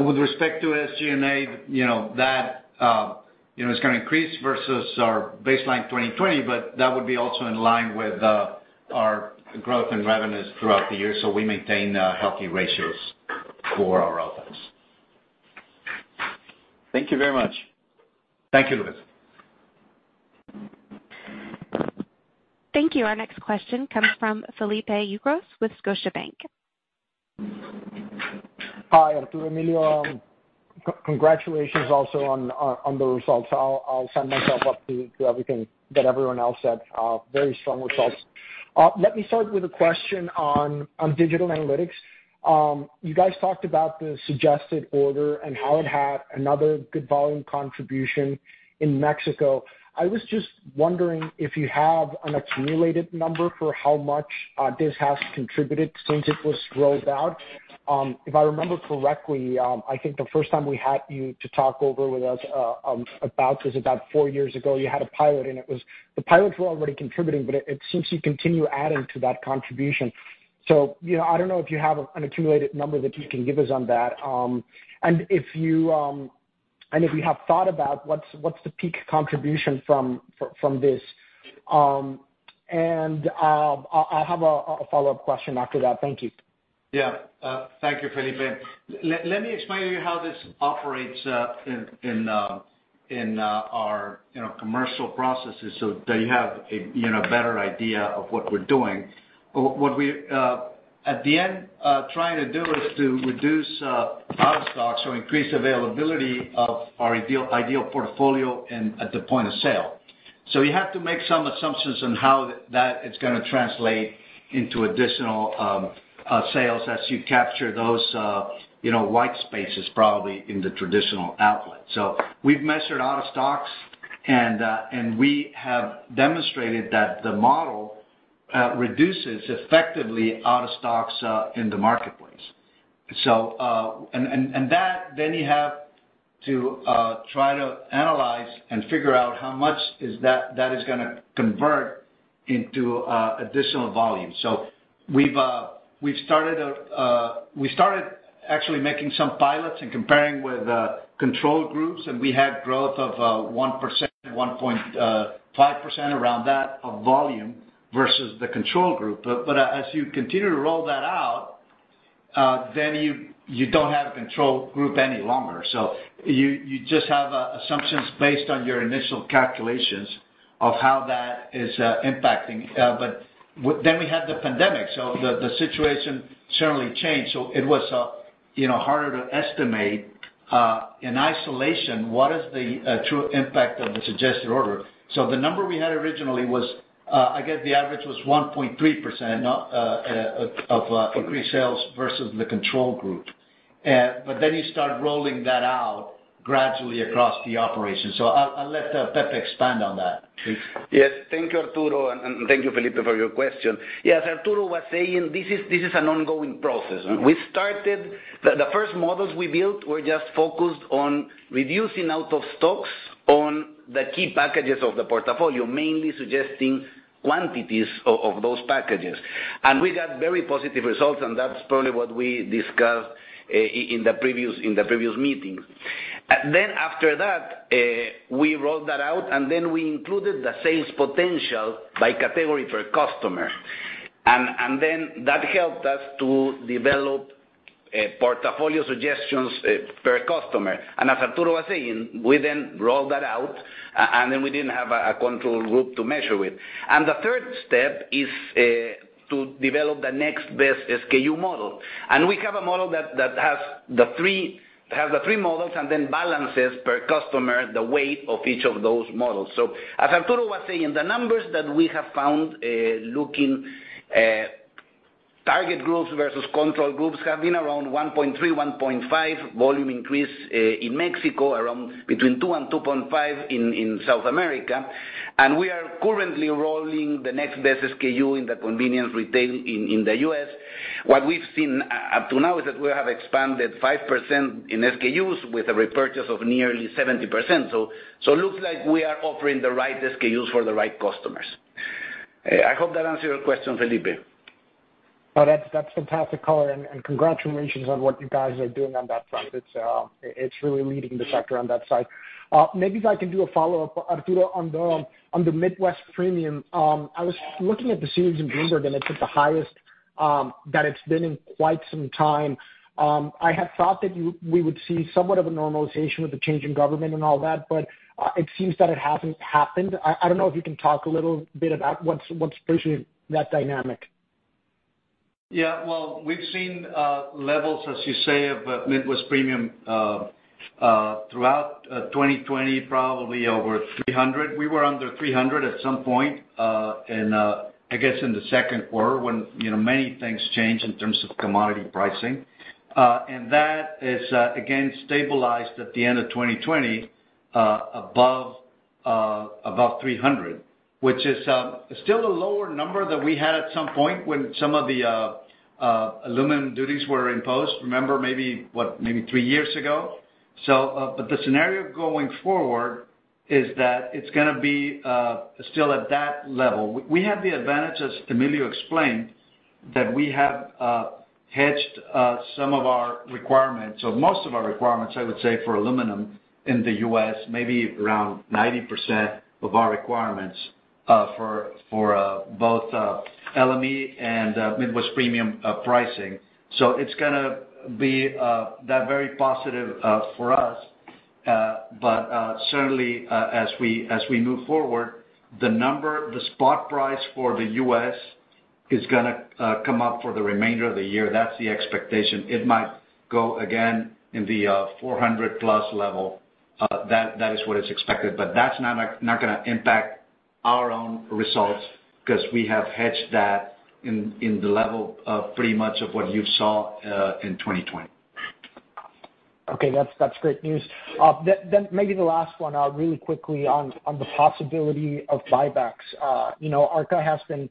With respect to SG&A, that is going to increase versus our baseline 2020, but that would be also in line with our growth in revenues throughout the year, so we maintain healthy ratios for our OpEx. Thank you very much. Thank you, Lucas. Thank you. Our next question comes from Felipe Ucros with Scotiabank. Hi, Arturo, Emilio. Congratulations also on the results. I'll second myself up to everything that everyone else said. Very strong results. Let me start with a question on digital analytics. You guys talked about the suggested order and how it had another good volume contribution in Mexico. I was just wondering if you have an accumulated number for how much this has contributed since it was rolled out. If I remember correctly, I think the first time we had you to talk over with us about this about four years ago, you had a pilot and the pilots were already contributing, but it seems you continue adding to that contribution. I don't know if you have an accumulated number that you can give us on that. If you have thought about what's the peak contribution from this. I have a follow-up question after that. Thank you. Yeah. Thank you, Felipe. Let me explain to you how this operates in our commercial processes so that you have a better idea of what we're doing. What we at the end are trying to do is to reduce out of stocks or increase availability of our ideal portfolio and at the point of sale. You have to make some assumptions on how that is going to translate into additional sales as you capture those white spaces, probably in the traditional outlet. We've measured out of stocks and we have demonstrated that the model reduces effectively out of stocks in the marketplace. You have to try to analyze and figure out how much that is going to convert into additional volume. We started actually making some pilots and comparing with control groups, and we had growth of 1%, 1.5% around that of volume versus the control group. As you continue to roll that out. You don't have a control group any longer. You just have assumptions based on your initial calculations of how that is impacting. We had the pandemic, so the situation certainly changed. It was harder to estimate, in isolation, what is the true impact of the suggested order. The number we had originally was, I guess the average was 1.3% of increased sales versus the control group. You start rolling that out gradually across the operation. I'll let Pepe expand on that, please. Yes. Thank you, Arturo, and thank you, Felipe, for your question. Yes, as Arturo was saying, this is an ongoing process. We started, the first models we built were just focused on reducing out of stocks on the key packages of the portfolio, mainly suggesting quantities of those packages. We got very positive results, and that's probably what we discussed in the previous meeting. after that, we rolled that out, and then we included the sales potential by category for customer. that helped us to develop portfolio suggestions for customer. as Arturo was saying, we then rolled that out, and then we didn't have a control group to measure with. the third step is to develop the next best SKU model. we have a model that has the three models and then balances per customer, the weight of each of those models. As Arturo was saying, the numbers that we have found, looking at target groups versus control groups, have been around 1.3, 1.5 volume increase in Mexico, around between 2 and 2.5 in South America. We are currently rolling the Next Best SKU in the convenience retail in the U.S. What we've seen up to now is that we have expanded 5% in SKUs with a repurchase of nearly 70%. Looks like we are offering the right SKUs for the right customers. I hope that answered your question, Felipe. Oh, that's fantastic color, and congratulations on what you guys are doing on that front. It's really leading the sector on that side. Maybe if I can do a follow-up, Arturo, on the Midwest Premium. I was looking at the series in Bloomberg, and it's at the highest that it's been in quite some time. I had thought that we would see somewhat of a normalization with the change in government and all that, but it seems that it hasn't happened. I don't know if you can talk a little bit about what's pushing that dynamic. Well, we've seen levels, as you say, of Midwest Premium throughout 2020, probably over 300. We were under 300 at some point, and I guess in the Q2 when many things changed in terms of commodity pricing. That is, again, stabilized at the end of 2020 above 300, which is still a lower number that we had at some point when some of the aluminum duties were imposed, remember maybe, what? Maybe three years ago. The scenario going forward is that it's gonna be still at that level. We have the advantage, as Emilio explained, that we have hedged some of our requirements, or most of our requirements, I would say, for aluminum in the U.S., maybe around 90% of our requirements for both LME and Midwest Premium pricing. It's gonna be that very positive for us. Certainly, as we move forward, the number, the spot price for the U.S. is gonna come up for the remainder of the year. That's the expectation. It might go again in the 400-plus level. That is what is expected. That's not gonna impact our own results because we have hedged that in the level of pretty much of what you saw in 2020. Okay. That's great news. Maybe the last one, really quickly on the possibility of buybacks. Arca has been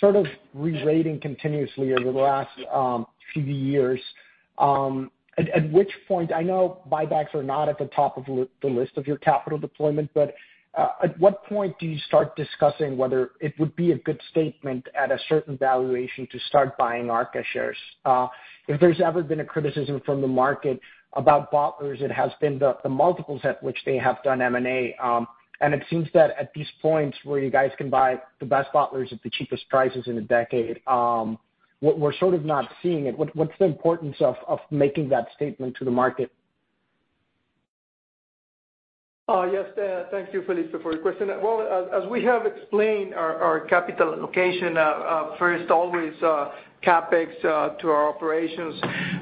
sort of rerating continuously over the last few years. At which point I know buybacks are not at the top of the list of your capital deployment, but at what point do you start discussing whether it would be a good statement at a certain valuation to start buying Arca shares? If there's ever been a criticism from the market about bottlers, it has been the multiples at which they have done M&A. It seems that at these points where you guys can buy the best bottlers at the cheapest prices in a decade, we're sort of not seeing it. What's the importance of making that statement to the market? Yes. Thank you, Felipe, for your question. Well, as we have explained our capital allocation, first always, CapEx to our operations.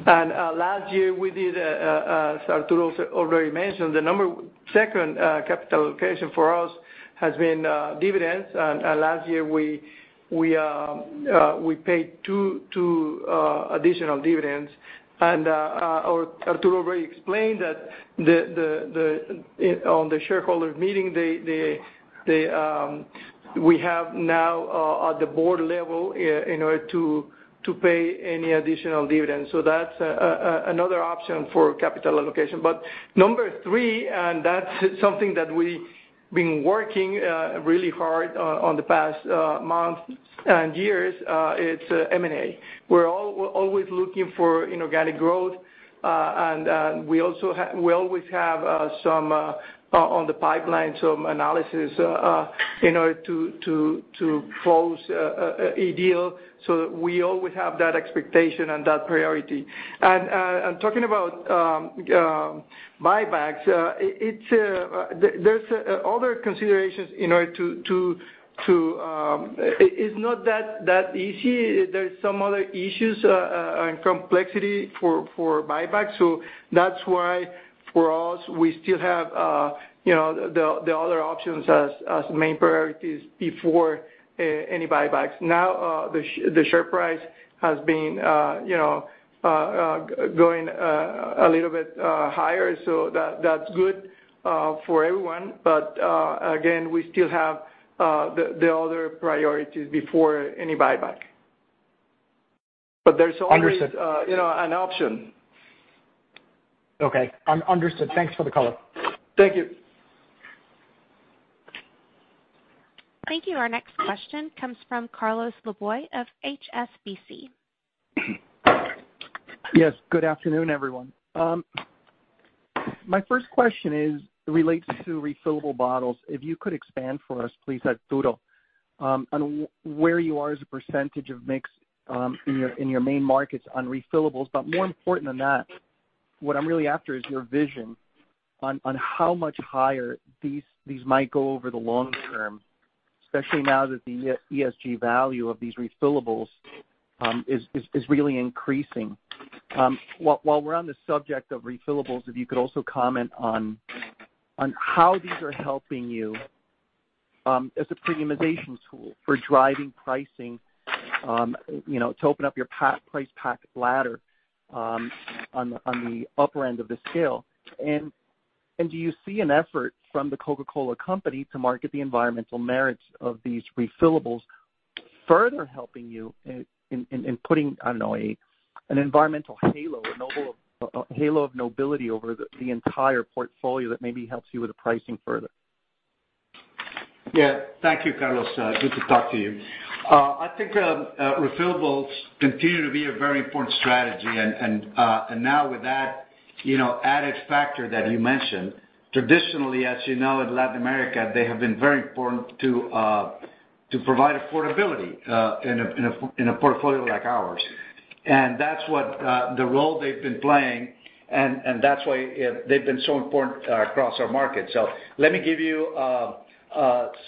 Last year we did, as Arturo already mentioned, the number 2 capital allocation for us has been dividends. Last year, we paid two additional dividends. Arturo already explained that on the shareholder meeting, we have now at the board level in order to pay any additional dividends. That's another option for capital allocation. Number 3. Been working really hard on the past month and years, it's M&A. We're always looking for inorganic growth, and we always have on the pipeline, some analysis in order to close a deal, so that we always have that expectation and that priority. Talking about buybacks, there's other considerations. It's not that easy. There's some other issues and complexity for buyback. That's why, for us, we still have the other options as main priorities before any buybacks. Now, the share price has been going a little bit higher, so that's good for everyone. Again, we still have the other priorities before any buyback. Understood an option. Okay. Understood. Thanks for the call. Thank you. Thank you. Our next question comes from Carlos Laboy of HSBC. Yes, good afternoon, everyone. My first question relates to refillable bottles. If you could expand for us, please, Arturo, on where you are as a percentage of mix in your main markets on refillables. More important than that, what I'm really after is your vision on how much higher these might go over the long term, especially now that the ESG value of these refillables is really increasing. While we're on the subject of refillables, if you could also comment on how these are helping you as a premiumization tool for driving pricing, to open up your price pack ladder on the upper end of the scale. Do you see an effort from The Coca-Cola Company to market the environmental merits of these refillables further helping you in putting, I don't know, an environmental halo, a halo of nobility over the entire portfolio that maybe helps you with the pricing further? Yeah. Thank you, Carlos. Good to talk to you. I think refillables continue to be a very important strategy, and now with that added factor that you mentioned. Traditionally, as you know, in Latin America, they have been very important to provide affordability in a portfolio like ours. That's what the role they've been playing, and that's why they've been so important across our market. Let me give you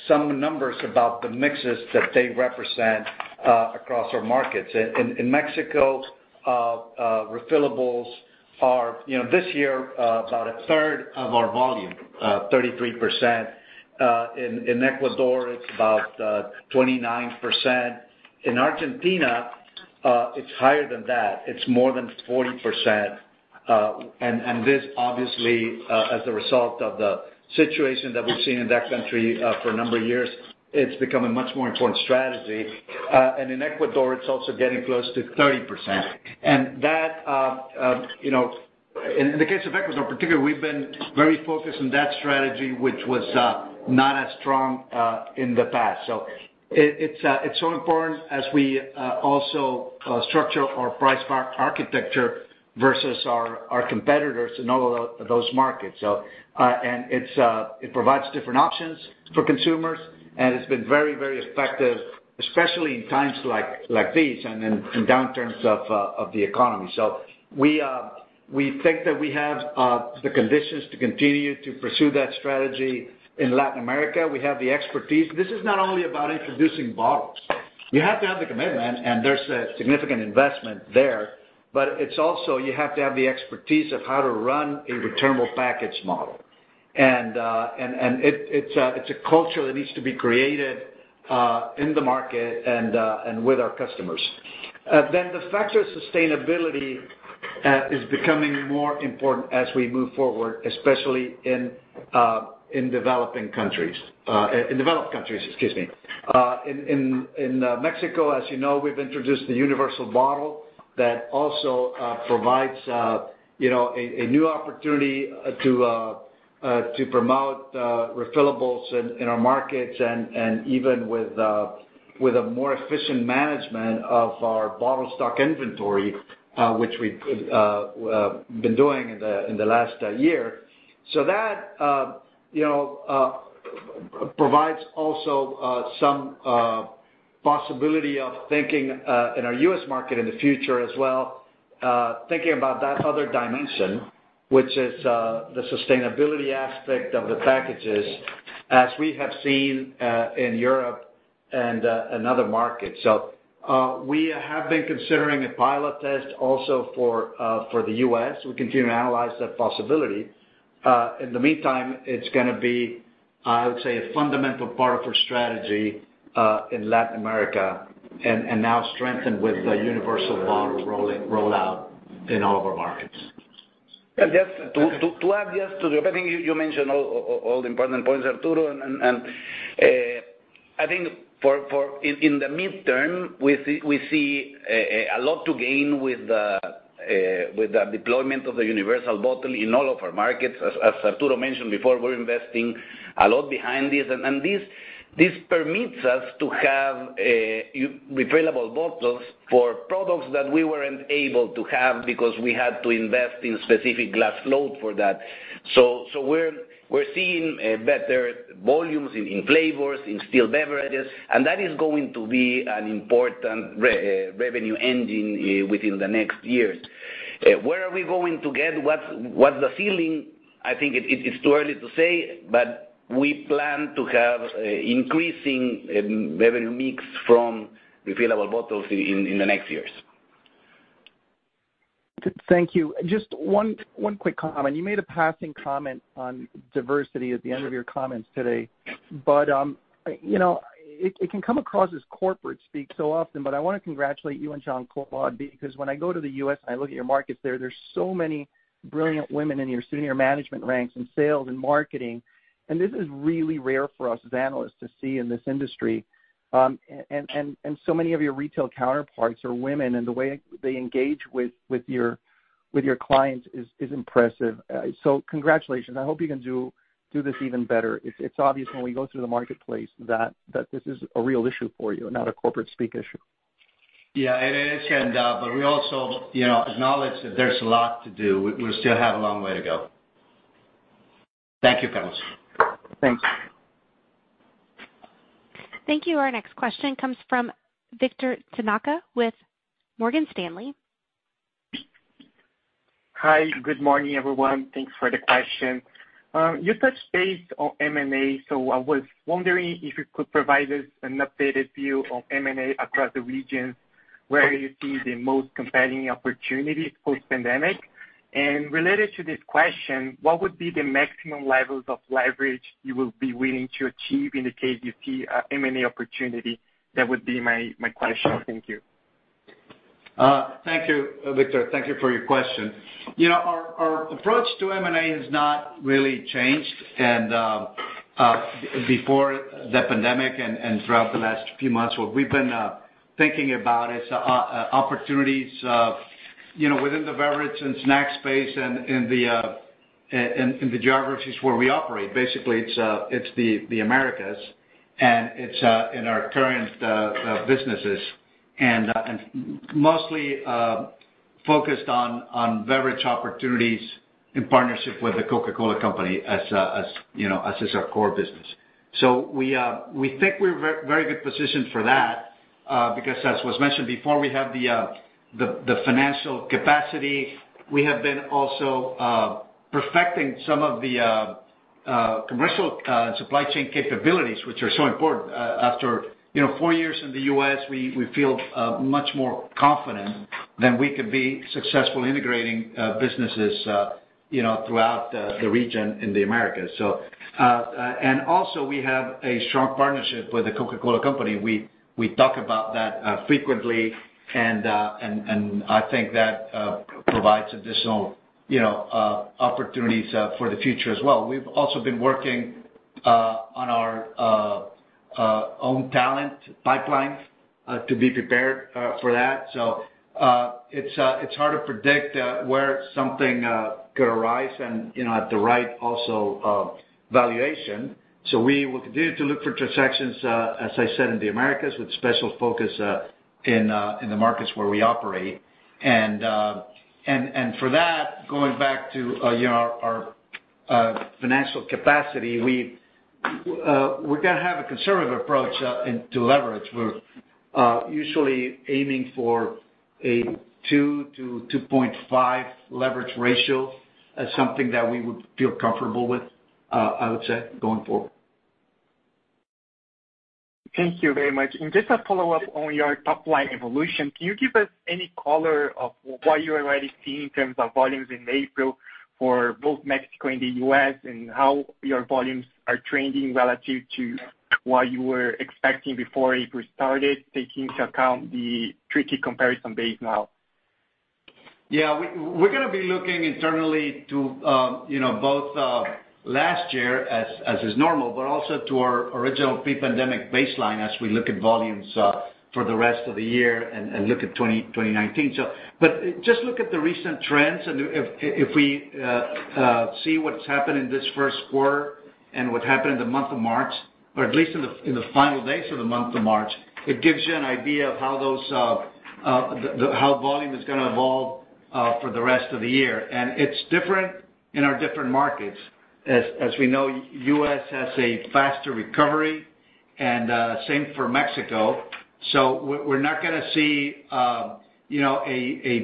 some numbers about the mixes that they represent across our markets. In Mexico, refillables are, this year, about a third of our volume, 33%. In Ecuador, it's about 29%. In Argentina, it's higher than that. It's more than 40%. This obviously, as a result of the situation that we've seen in that country for a number of years, it's become a much more important strategy. In Ecuador, it's also getting close to 30%. In the case of Ecuador in particular, we've been very focused on that strategy, which was not as strong in the past. It's so important as we also structure our price architecture versus our competitors in all of those markets. It provides different options for consumers, and it's been very, very effective, especially in times like these and in downturns of the economy. We think that we have the conditions to continue to pursue that strategy in Latin America. We have the expertise. This is not only about introducing bottles. You have to have the commitment, and there's a significant investment there, but it's also you have to have the expertise of how to run a returnable package model. It's a culture that needs to be created in the market and with our customers. The factor of sustainability is becoming more important as we move forward, especially in developed countries. In Mexico, as you know, we've introduced the universal bottle that also provides a new opportunity to promote refillables in our markets and even with a more efficient management of our bottle stock inventory, which we've been doing in the last year. That provides also some possibility of thinking in our U.S. market in the future as well, thinking about that other dimension, which is the sustainability aspect of the packages as we have seen in Europe and other markets. We have been considering a pilot test also for the U.S. We continue to analyze that possibility. In the meantime, it's going to be, I would say, a fundamental part of our strategy in Latin America and now strengthened with the universal bottle rollout in all of our markets. just to add to the opening, you mentioned all the important points, Arturo, and I think in the midterm, we see a lot to gain with the deployment of the universal bottle in all of our markets. As Arturo mentioned before, we're investing a lot behind this, and this permits us to have refillable bottles for products that we weren't able to have because we had to invest in specific glass mold for that. We're seeing better volumes in flavors, in still beverages, and that is going to be an important revenue engine within the next years. Where are we going to get? What's the ceiling? I think it is too early to say, but we plan to have increasing revenue mix from refillable bottles in the next years. Thank you. Just one quick comment. You made a passing comment on diversity at the end of your comments today. It can come across as corporate speak so often, but I want to congratulate you and Jean-Claude, because when I go to the U.S. and I look at your markets there's so many brilliant women in your senior management ranks, in sales and marketing, and this is really rare for us as analysts to see in this industry. So many of your retail counterparts are women, and the way they engage with your clients is impressive. Congratulations. I hope you can do this even better. It's obvious when we go through the marketplace that this is a real issue for you, not a corporate speak issue. Yeah, it is. We also acknowledge that there's a lot to do. We still have a long way to go. Thank you, Carlos. Thanks. Thank you. Our next question comes from Ulises Argote with Morgan Stanley. Hi. Good morning, everyone. Thanks for the question. You touched base on M&A, so I was wondering if you could provide us an updated view on M&A across the regions, where you see the most compelling opportunities post-pandemic. Related to this question, what would be the maximum levels of leverage you will be willing to achieve in the case you see a M&A opportunity? That would be my question. Thank you. Thank you, Victor. Thank you for your question. Our approach to M&A has not really changed. Before the pandemic and throughout the last few months, what we've been thinking about is opportunities within the beverage and snack space and in the geographies where we operate. Basically, it's the Americas, and it's in our current businesses, and mostly focused on beverage opportunities in partnership with The Coca-Cola Company as our core business. We think we're very good positioned for that, because as was mentioned before, we have the financial capacity. We have been also perfecting some of the commercial supply chain capabilities, which are so important. After four years in the U.S., we feel much more confident that we could be successful integrating businesses throughout the region in the Americas. Also, we have a strong partnership with The Coca-Cola Company. We talk about that frequently, and I think that provides additional opportunities for the future as well. We've also been working on our own talent pipeline to be prepared for that. It's hard to predict where something could arise and at the right, also, valuation. We will continue to look for transactions, as I said, in the Americas, with special focus in the markets where we operate. For that, going back to our financial capacity, we're going to have a conservative approach to leverage. We're usually aiming for a two to 2.5 leverage ratio as something that we would feel comfortable with, I would say, going forward. Thank you very much. Just a follow-up on your top-line evolution, can you give us any color of what you are already seeing in terms of volumes in April for both Mexico and the U.S., and how your volumes are trending relative to what you were expecting before April started, taking into account the tricky comparison base now? Yeah. We're going to be looking internally to both last year, as is normal, but also to our original pre-pandemic baseline as we look at volumes for the rest of the year and look at 2019. Just look at the recent trends, and if we see what's happened in this Q1 and what happened in the month of March, or at least in the final days of the month of March, it gives you an idea of how volume is going to evolve for the rest of the year. It's different in our different markets. As we know, U.S. has a faster recovery, and same for Mexico. We're not going to see a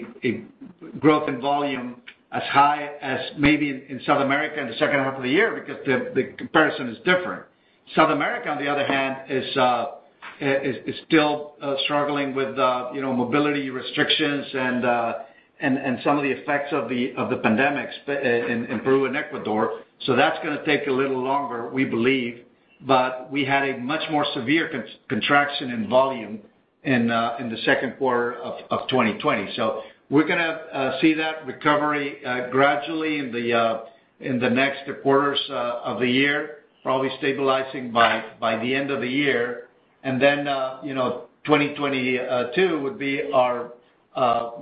growth in volume as high as maybe in South America in the H2 of the year because the comparison is different. South America, on the other hand, is still struggling with mobility restrictions and some of the effects of the pandemics in Peru and Ecuador. That's going to take a little longer, we believe. We had a much more severe contraction in volume in the Q2 of 2020. We're going to see that recovery gradually in the next quarters of the year, probably stabilizing by the end of the year. 2022 would be our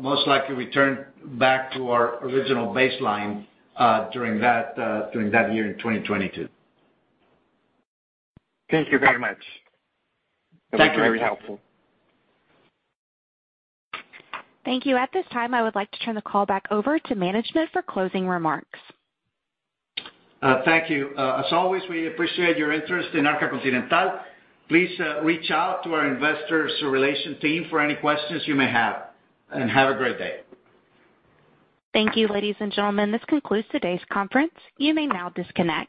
most likely return back to our original baseline during that year in 2022. Thank you very much. Thank you. That was very helpful. Thank you. At this time, I would like to turn the call back over to management for closing remarks. Thank you. As always, we appreciate your interest in Arca Continental. Please reach out to our investors relations team for any questions you may have. Have a great day. Thank you, ladies and gentlemen. This concludes today's conference. You may now disconnect.